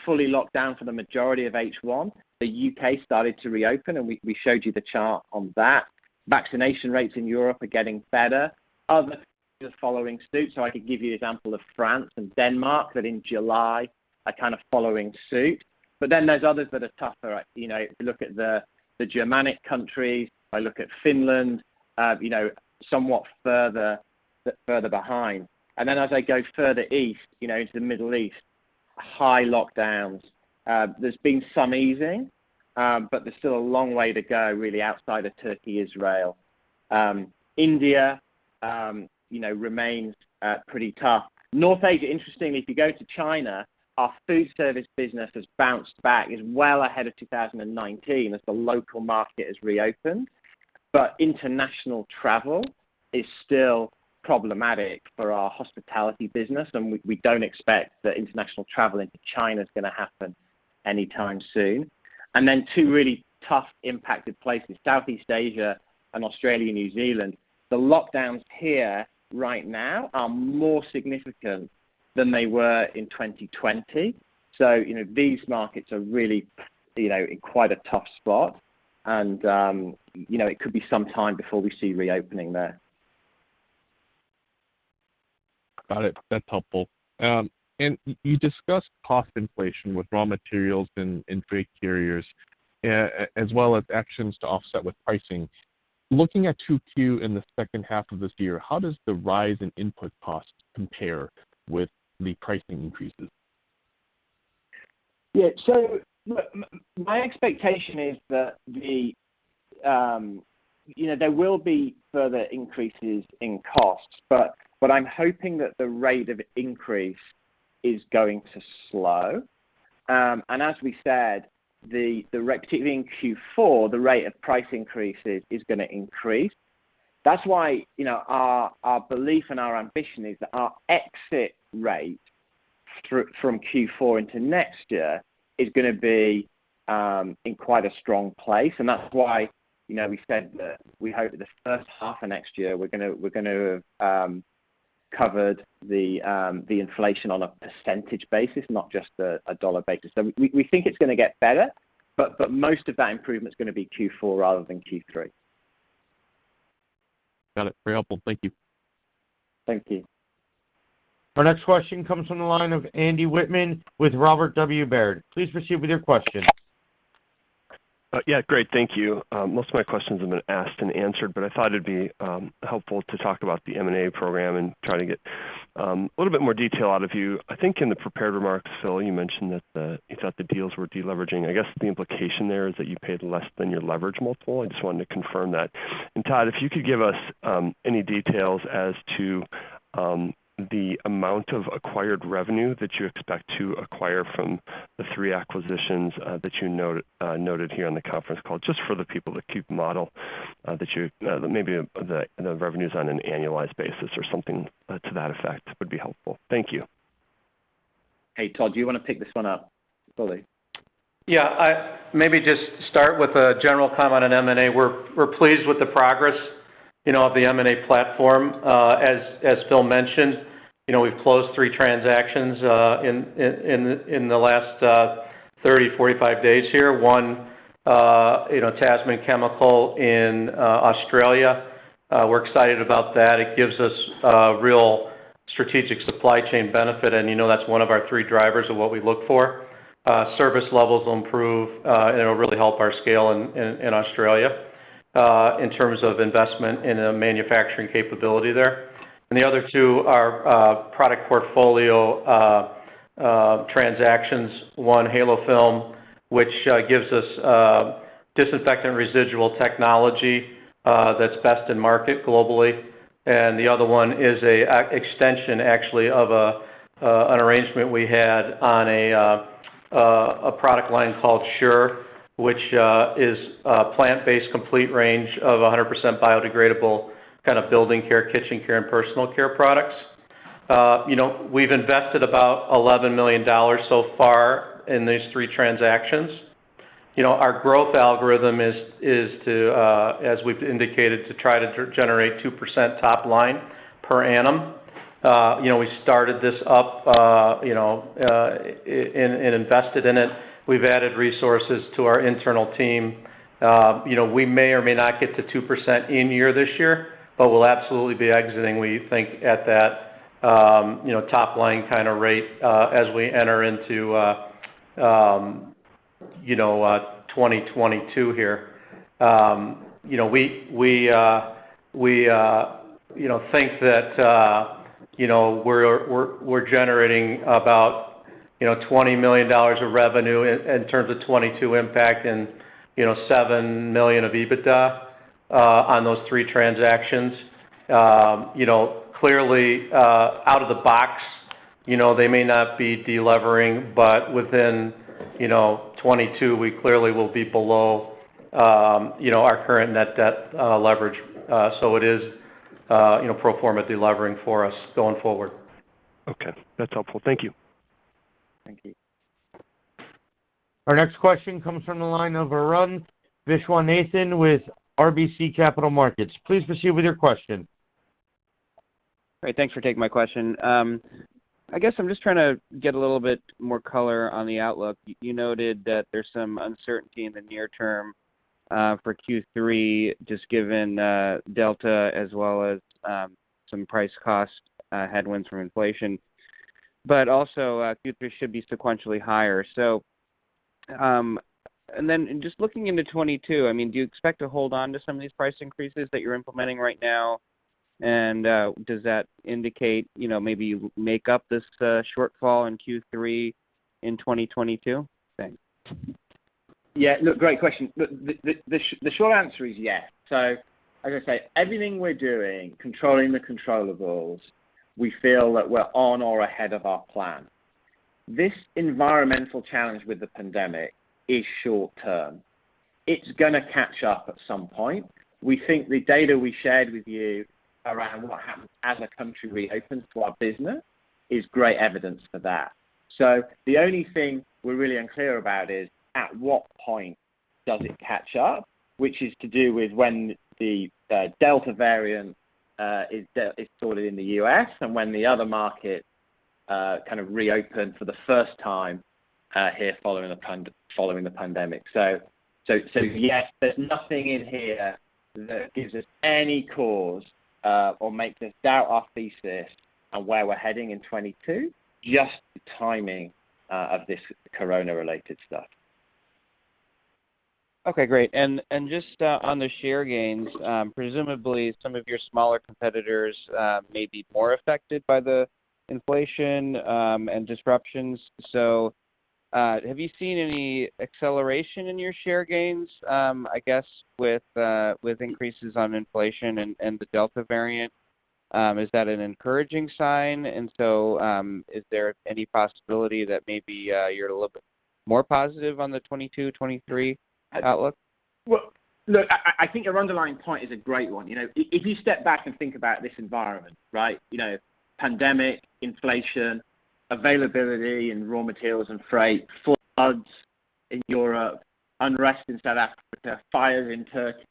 fully locked down for the majority of H1. The U.K. started to reopen, and we showed you the chart on that. Vaccination rates in Europe are getting better. Other countries are following suit. I could give you example of France and Denmark that in July are kind of following suit. There's others that are tougher. If you look at the Germanic countries, if I look at Finland, somewhat further behind. As I go further east into the Middle East, high lockdowns. There's been some easing, but there's still a long way to go, really, outside of Turkey, Israel. India remains pretty tough. North Asia, interestingly, if you go to China, our food service business has bounced back, is well ahead of 2019 as the local market has reopened. International travel is still problematic for our hospitality business, and we don't expect that international travel into China is going to happen anytime soon. Two really tough impacted places, Southeast Asia and Australia, New Zealand. The lockdowns here right now are more significant than they were in 2020. These markets are really in quite a tough spot and it could be some time before we see reopening there. Got it. That's helpful. You discussed cost inflation with raw materials and freight carriers as well as actions to offset with pricing. Looking at 2Q in the second half of this year, how does the rise in input costs compare with the pricing increases? Look, my expectation is that there will be further increases in costs, but I am hoping that the rate of increase is going to slow. As we said, particularly in Q4, the rate of price increases is going to increase. That is why our belief and our ambition is that our exit rate from Q4 into next year is going to be in quite a strong place, and that is why we said that we hope that the first half of next year, we are going to have covered the inflation on a % basis, not just a dollar basis. We think it is going to get better, but most of that improvement is going to be Q4 rather than Q3. Got it. Very helpful. Thank you. Thank you. Our next question comes from the line of Andrew Wittmann with Robert W. Baird. Please proceed with your question. Yeah, great. Thank you. Most of my questions have been asked and answered. I thought it'd be helpful to talk about the M&A program and try to get a little bit more detail out of you. I think in the prepared remarks, Phil, you mentioned that you thought the deals were deleveraging. I guess the implication there is that you paid less than your leverage multiple. I just wanted to confirm that. Todd, if you could give us any details as to the amount of acquired revenue that you expect to acquire from the three acquisitions that you noted here on the conference call, just for the people that keep model, maybe the revenues on an annualized basis or something to that effect would be helpful. Thank you. Hey, Todd, do you want to pick this one up fully? Yeah, maybe just start with a general comment on M&A. We're pleased with the progress of the M&A platform. As Phil mentioned, we've closed three transactions in the last 30, 45 days here. One, Tasman Chemicals in Australia. We're excited about that. It gives us a real strategic supply chain benefit, and you know that's one of our three drivers of what we look for. Service levels will improve, and it'll really help our scale in Australia in terms of investment in a manufacturing capability there. The other two are product portfolio transactions. One, HaloFilm, which gives us disinfectant residual technology that's best in market globally, and the other one is an extension, actually, of an arrangement we had on a product line called SURE, which is a plant-based complete range of 100% biodegradable kind of building care, kitchen care, and personal care products. We've invested about $11 million so far in these three transactions. Our growth algorithm is to, as we've indicated, to try to generate 2% top line per annum. We started this up and invested in it. We've added resources to our internal team. We may or may not get to 2% in year this year, but we'll absolutely be exiting, we think, at that top line kind of rate as we enter into 2022 here. We think that we're generating about $20 million of revenue in terms of 2022 impact and $7 million of EBITDA on those three transactions. Clearly, out of the box, they may not be delevering, but within 2022, we clearly will be below our current net debt leverage. It is pro forma delevering for us going forward. Okay. That's helpful. Thank you. Thank you. Our next question comes from the line of Arun Viswanathan with RBC Capital Markets. Please proceed with your question. All right, thanks for taking my question. I guess I'm just trying to get a little bit more color on the outlook. You noted that there's some uncertainty in the near term for Q3, just given Delta as well as some price cost headwinds from inflation. Also Q3 should be sequentially higher. Just looking into 2022, do you expect to hold onto some of these price increases that you're implementing right now? Does that indicate maybe you make up this shortfall in Q3 in 2022? Thanks. Yeah, look, great question. The short answer is yes. As I say, everything we're doing, controlling the controllables, we feel that we're on or ahead of our plan. This environmental challenge with the pandemic is short term. It's going to catch up at some point. We think the data we shared with you around what happens as the country reopens to our business is great evidence for that. The only thing we're really unclear about is at what point does it catch up, which is to do with when the Delta variant is sorted in the U.S. and when the other markets kind of reopen for the first time here following the pandemic. Yes, there's nothing in here that gives us any cause or make this doubt our thesis on where we're heading in 2022, just the timing of this Corona-related stuff. Okay, great. Just on the share gains, presumably some of your smaller competitors may be more affected by the inflation and disruptions. Have you seen any acceleration in your share gains, I guess, with increases on inflation and the Delta variant? Is that an encouraging sign? Is there any possibility that maybe you're a little bit more positive on the 2022, 2023 outlook? Well, look, I think your underlying point is a great one. If you step back and think about this environment, pandemic, inflation, availability in raw materials and freight, floods in Europe, unrest in South Africa, fires in Turkey.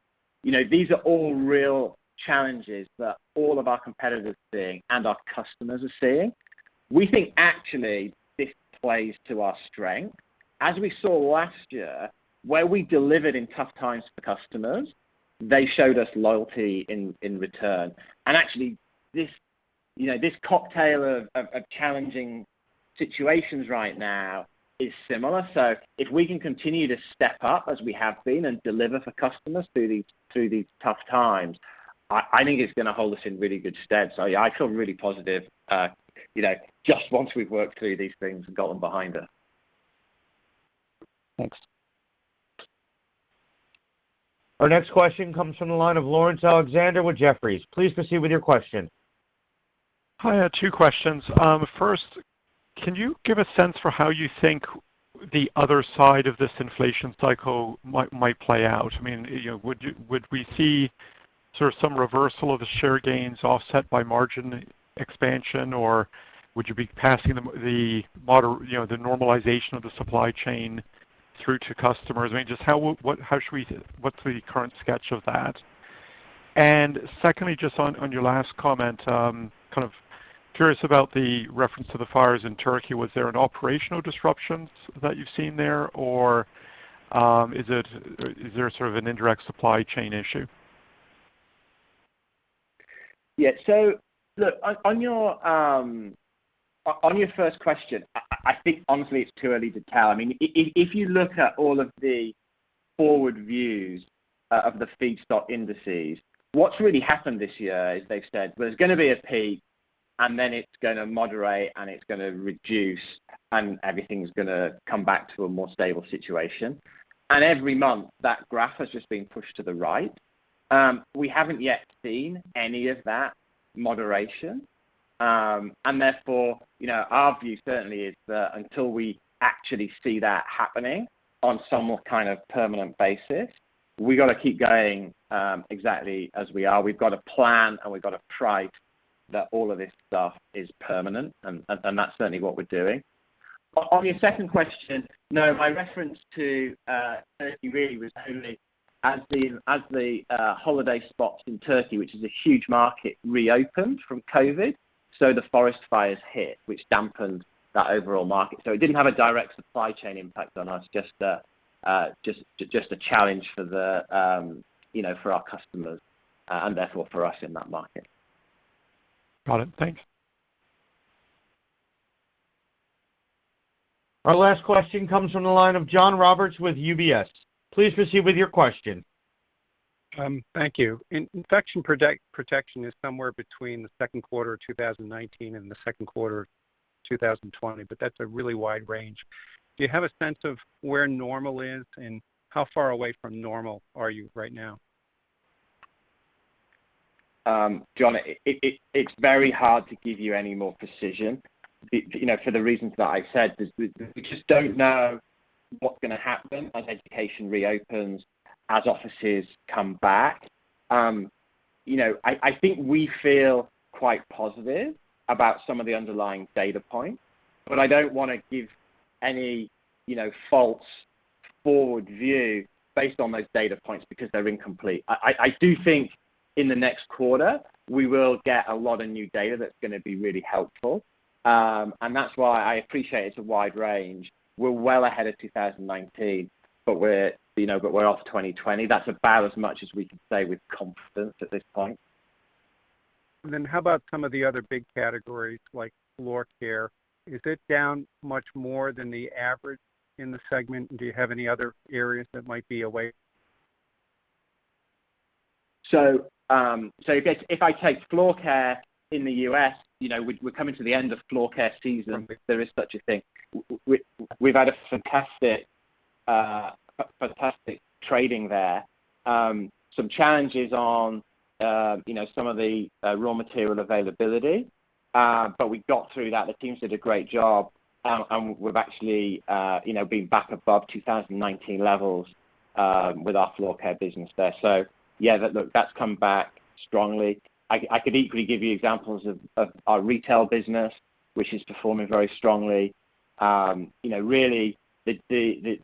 These are all real challenges that all of our competitors are seeing, and our customers are seeing. We think actually this plays to our strength. As we saw last year, where we delivered in tough times for customers, they showed us loyalty in return. Actually this cocktail of challenging situations right now is similar. If we can continue to step up as we have been and deliver for customers through these tough times, I think it's going to hold us in really good stead. Yeah, I feel really positive just once we've worked through these things and gotten behind us. Thanks. Our next question comes from the line of Laurence Alexander with Jefferies. Please proceed with your question. I have two questions. First, can you give a sense for how you think the other side of this inflation cycle might play out? Would we see sort of some reversal of the share gains offset by margin expansion, or would you be passing the normalization of the supply chain through to customers? Just what's the current sketch of that? Secondly, just on your last comment, I'm kind of curious about the reference to the fires in Turkey. Was there an operational disruption that you've seen there, or is there a sort of an indirect supply chain issue? Look, on your first question, I think honestly, it's too early to tell. If you look at all of the forward views of the feedstock indices, what's really happened this year is they've said, "Well, there's going to be a peak, and then it's going to moderate and it's going to reduce, and everything's going to come back to a more stable situation." Every month that graph has just been pushed to the right. We haven't yet seen any of that moderation. Therefore, our view certainly is that until we actually see that happening on some kind of permanent basis, we got to keep going exactly as we are. We've got to plan, and we've got to price that all of this stuff is permanent, and that's certainly what we're doing. On your second question, no, my reference to Turkey really was only as the holiday spots in Turkey, which is a huge market, reopened from COVID, so the forest fires hit, which dampened that overall market. It didn't have a direct supply chain impact on us, just a challenge for our customers, and therefore for us in that market. Got it. Thanks. Our last question comes from the line of John Roberts with UBS. Please proceed with your question. Thank you. Infection protection is somewhere between the second quarter of 2019 and the second quarter of 2020, but that's a really wide range. Do you have a sense of where normal is, and how far away from normal are you right now? John, it's very hard to give you any more precision for the reasons that I've said. We just don't know what's going to happen as education reopens, as offices come back. I think we feel quite positive about some of the underlying data points, but I don't want to give any false forward view based on those data points because they're incomplete. I do think in the next quarter, we will get a lot of new data that's going to be really helpful. That's why I appreciate it's a wide range. We're well ahead of 2019, but we're off 2020. That's about as much as we can say with confidence at this point. How about some of the other big categories like floor care? Is it down much more than the average in the segment? Do you have any other areas that might be away? If I take floor care in the U.S., we're coming to the end of floor care season, if there is such a thing. We've had a fantastic trading there. Some challenges on some of the raw material availability, but we got through that. The teams did a great job. We've actually been back above 2019 levels with our floor care business there. Yeah, look, that's come back strongly. I could equally give you examples of our retail business, which is performing very strongly. Really the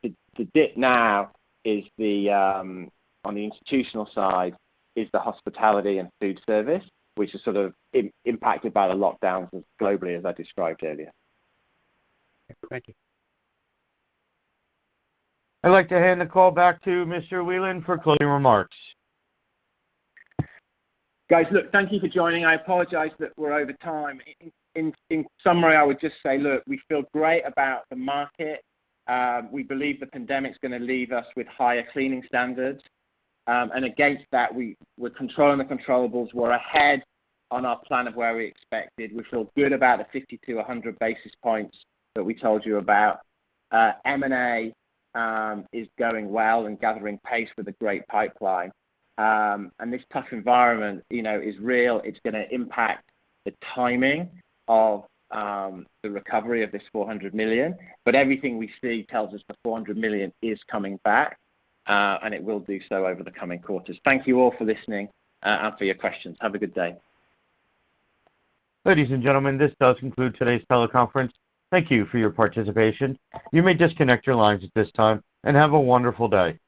dip now on the institutional side is the hospitality and food service, which is sort of impacted by the lockdowns globally, as I described earlier. Thank you. I'd like to hand the call back to Mr. Wielan for closing remarks. Guys, look, thank you for joining. I apologize that we're over time. In summary, I would just say, look, we feel great about the market. We believe the pandemic is going to leave us with higher cleaning standards. Against that, we're controlling the controllables. We're ahead on our plan of where we expected, which feel good about the 50-100 basis points that we told you about. M&A is going well and gathering pace with a great pipeline. This tough environment is real. It's going to impact the timing of the recovery of this $400 million, but everything we see tells us the $400 million is coming back, and it will do so over the coming quarters. Thank you all for listening and for your questions. Have a good day. Ladies and gentlemen, this does conclude today's teleconference. Thank you for your participation. You may disconnect your lines at this time, and have a wonderful day.